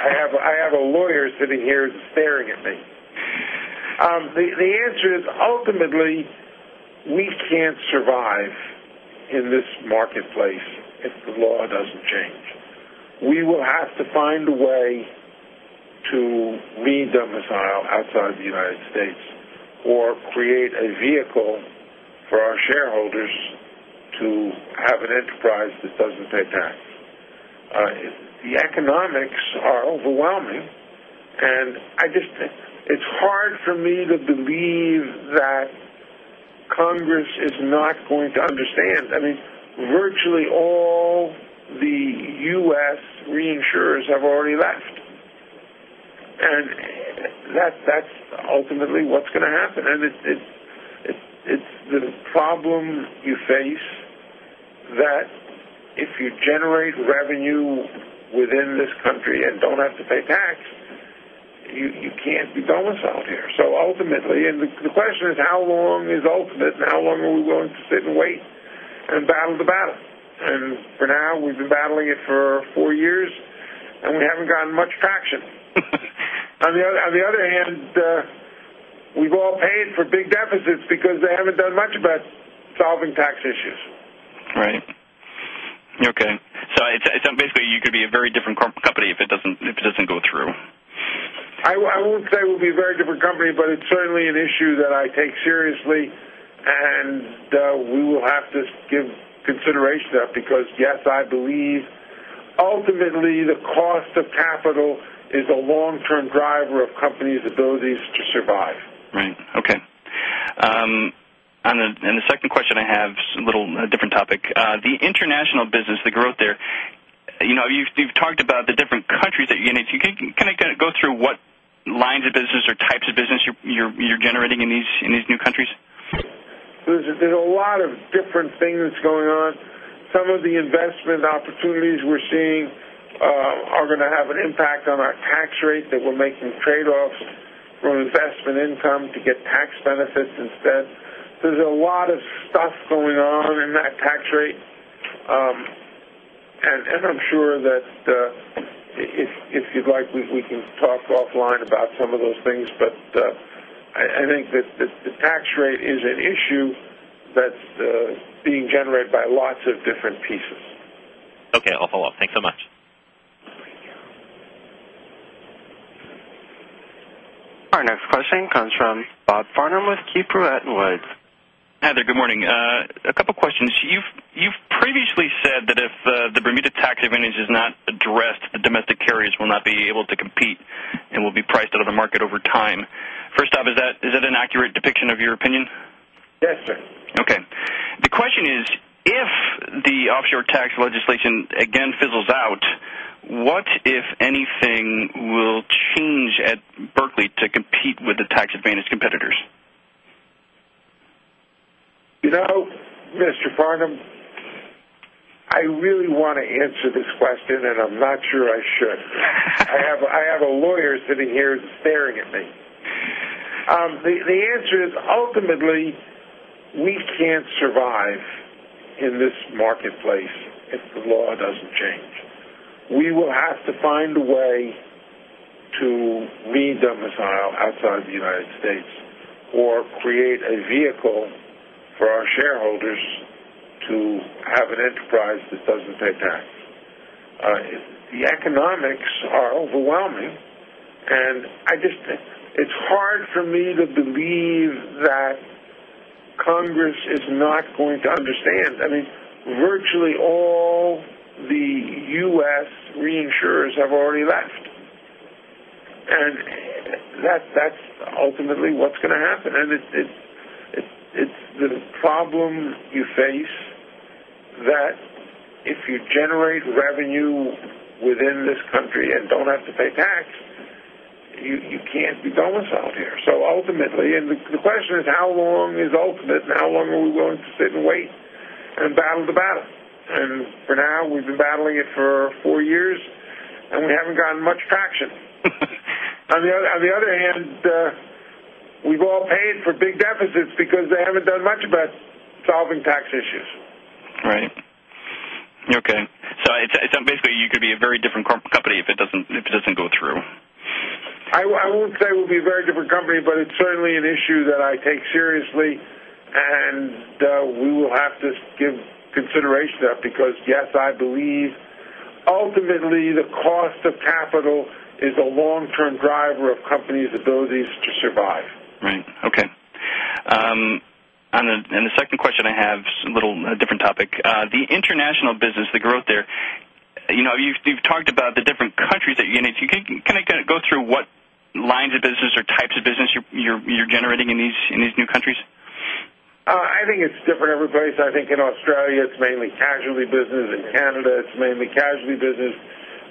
I have a lawyer sitting here staring at me. The answer is, ultimately, we can't survive in this marketplace if the law doesn't change. We will have to find a way to be domiciled outside the U.S. or create a vehicle for our shareholders to have an enterprise that doesn't pay tax. The economics are overwhelming, and it's hard for me to believe that Congress is not going to understand. I mean, virtually all the U.S. reinsurers have already left, and that's ultimately what's going to happen. It's the problem you face that if you generate revenue within this country and don't have to pay tax, you can't be domiciled here. Ultimately, and the question is, how long is ultimate and how long are we willing to sit and wait and battle the battle? For now, we've been battling it for four years, and we haven't gotten much traction. On the other hand, we've all paid for big deficits because they haven't done much about solving tax issues. Right. Okay. Basically, you could be a very different company if it doesn't go through. I won't say we'll be a very different company, but it's certainly an issue that I take seriously, and we will have to give consideration of because, yes, I believe ultimately the cost of capital is a long-term driver of companies' abilities to survive. Right. Okay. The second question I have is a little different topic. The international business, the growth there, you've talked about the different countries that you're in. Can you kind of go through what lines of business or types of business you're generating in these new countries? There's a lot of different things going on. Some of the investment opportunities we're seeing are going to have an impact on our tax rate, that we're making trade-offs from investment income to get tax benefits instead. There's a lot of stuff going on in that tax rate. I'm sure that if you'd like, we can talk offline about some of those things, but I think that the tax rate is an issue that's being generated by lots of different pieces. Okay. I'll follow up. Thanks so much. Our next question comes from Bob Farnum with KeyBanc. Hi there. Good morning. A couple questions. You've previously said that if the Bermuda tax advantage is not addressed, domestic carriers will not be able to compete and will be priced out of the market over time. First off, is that an accurate depiction of your opinion? Yes, sir. Okay. The question is, if the offshore tax legislation again fizzles out, what, if anything, will change at Berkley to compete with the tax-advantaged competitors? You know, Mr. Farnum, I really want to answer this question, and I'm not sure I should. I have a lawyer sitting here staring at me. The answer is, ultimately, we can't survive in this marketplace if the law doesn't change. We will have to find a way to be domiciled outside the United States or create a vehicle for our shareholders to have an enterprise that doesn't pay tax. The economics are overwhelming, and it's hard for me to believe that Congress is not going to understand. I mean, virtually all the U.S. reinsurers have already left. That's ultimately what's going to happen. It's the problem you face that if you generate revenue within this country and don't have to pay tax, you can't be domiciled here. Ultimately, the question is, how long is ultimate and how long are we willing to sit and wait and battle the battle? For now, we've been battling it for four years, and we haven't gotten much traction. On the other hand, we've all paid for big deficits because they haven't done much about solving tax issues. Right. Okay. Basically, you could be a very different company if it doesn't go through. I won't say we'll be a very different company, but it's certainly an issue that I take seriously, and we will have to give consideration to that because, yes, I believe ultimately the cost of capital is a long-term driver of companies' abilities to survive. Right. Okay. The second question I have is a little different topic. The international business, the growth there, you've talked about the different countries that you're in. Can you go through what lines of business or types of business you're generating in these new countries? I think it's different every place. I think in Australia, it's mainly casualty business. In Canada, it's mainly casualty business.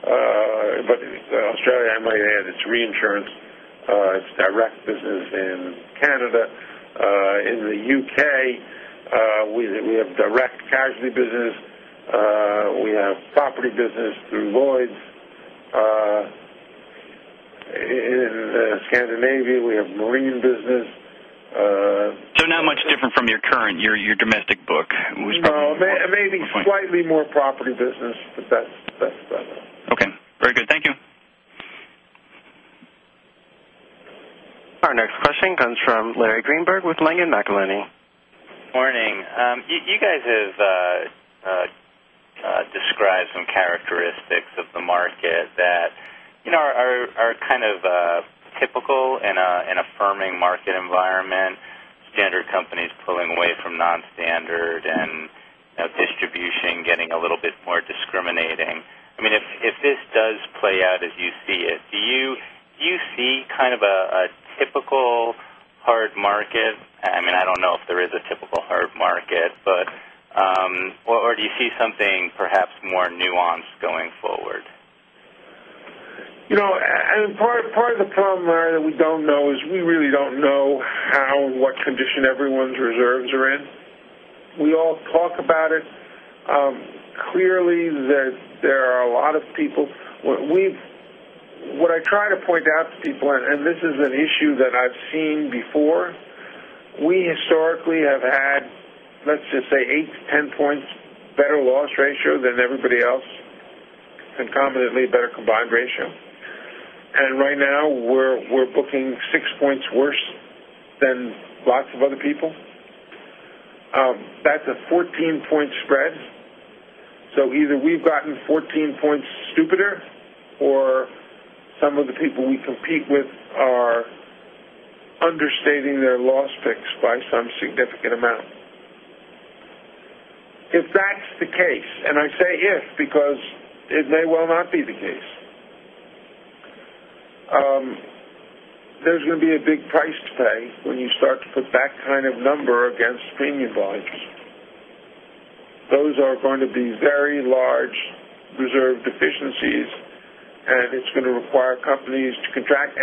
Australia, I might add, it's reinsurance. It's direct business in Canada. In the U.K., we have direct casualty business. We have property business through Lloyd's. In Scandinavia, we have marine business. Not much different from your current, your domestic book. No. Maybe slightly more property business, but that's about it. Okay. Very good. Thank you. Our next question comes from Larry Greenberg with Langen McAlenney. Morning. You guys have described some characteristics of the market that are kind of typical in a firming market environment, standard companies pulling away from non-standard, and distribution getting a little bit more discriminating. If this does play out as you see it, do you see kind of a typical hard market? I don't know if there is a typical hard market, or do you see something perhaps more nuanced going forward? Part of the problem, Larry, that we do not know is we really do not know what condition everyone's reserves are in. We all talk about it. Clearly, there are a lot of people. What I try to point out to people, and this is an issue that I've seen before, we historically have had, let's just say, eight to 10 points better loss ratio than everybody else, and concomitantly, a better combined ratio. Right now, we're booking six points worse than lots of other people. That's a 14-point spread. Either we've gotten 14 points stupider or some of the people we compete with are understating their loss picks by some significant amount. If that's the case, and I say if because it may well not be the case, there's going to be a big price to pay when you start to put that kind of number against premium volumes. Those are going to be very large reserve deficiencies, and it's going to require companies to contract.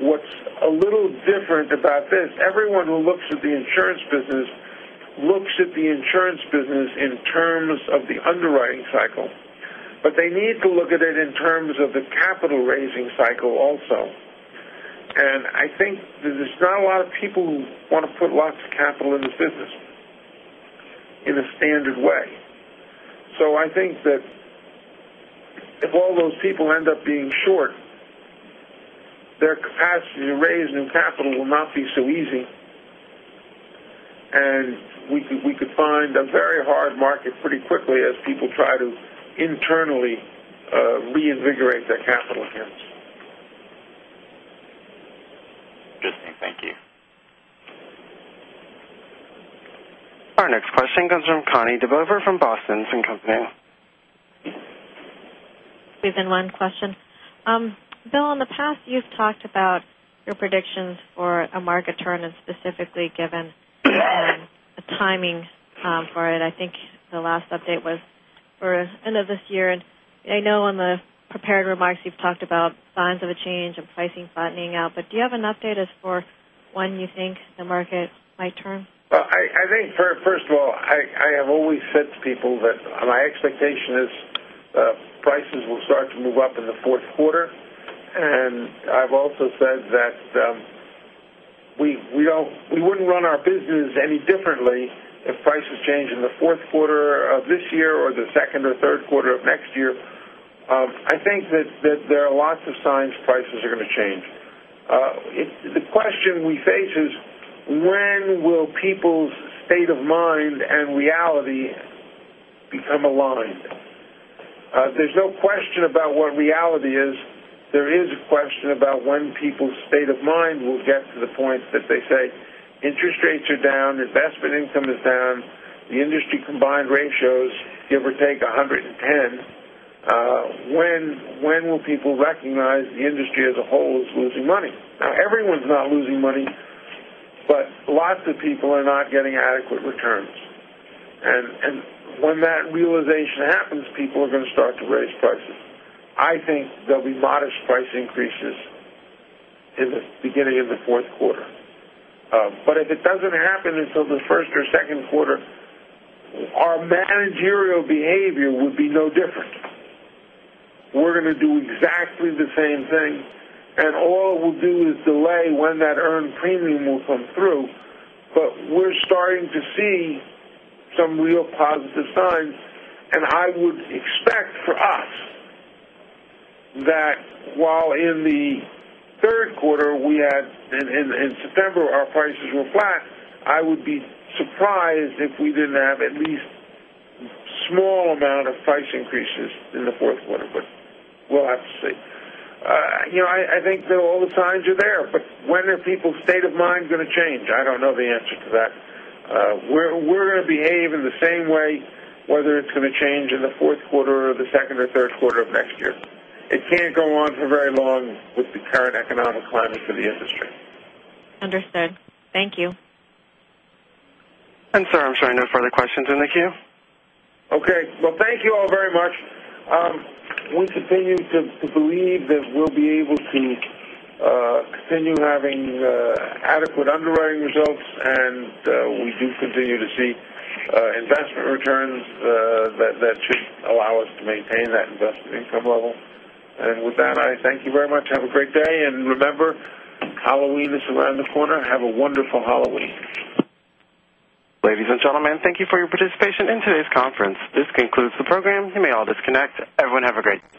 What's a little different about this, everyone who looks at the insurance business looks at the insurance business in terms of the underwriting cycle, but they need to look at it in terms of the capital raising cycle also. I think that there's not a lot of people who want to put lots of capital in this business in a standard way. I think that if all those people end up being short, their capacity to raise new capital will not be so easy, and we could find a very hard market pretty quickly as people try to internally reinvigorate their capital here. Interesting. Thank you. Our next question comes from Connie DeBoever from Boston & Company. We have one question. Bill, in the past, you've talked about your predictions for a market turn and specifically given a timing for it. I think the last update was for end of this year. I know in the prepared remarks, you've talked about signs of a change and pricing flattening out. Do you have an update as for when you think the market might turn? I think, first of all, I have always said to people that my expectation is There's no question about what reality is. There is a question about when people's state of mind will get to the point that they say, interest rates are down, investment income is down, the industry combined ratios give or take 110. When will people recognize the industry as a whole is losing money? Now, everyone's not losing money, but lots of people are not getting adequate returns. When that realization happens, people are going to start to raise prices. I think there'll be modest price increases in the beginning of the fourth quarter. If it doesn't happen until the first or second quarter, our managerial behavior would be no different. We're going to do exactly the same thing, and all it will do is delay when that earned premium will come through. We're starting to see some real positive signs, and I would expect for us that while in the third quarter, in September, our prices were flat, I would be surprised if we didn't have at least a small amount of price increases in the fourth quarter. We'll have to see. I think that all the signs are there, when are people's state of mind going to change? I don't know the answer to that. We're going to behave in the same way, whether it's going to change in the fourth quarter or the second or third quarter of next year. It can't go on for very long with the current economic climate for the industry. Understood. Thank you. Sir, I'm showing no further questions in the queue. Okay. Well, thank you all very much. We continue to believe that we'll be able to continue having adequate underwriting results, and we do continue to see investment returns that should allow us to maintain that investment income level. With that, I thank you very much. Have a great day, and remember, Halloween is around the corner. Have a wonderful Halloween. Ladies and gentlemen, thank you for your participation in today's conference. This concludes the program. You may all disconnect. Everyone have a great day.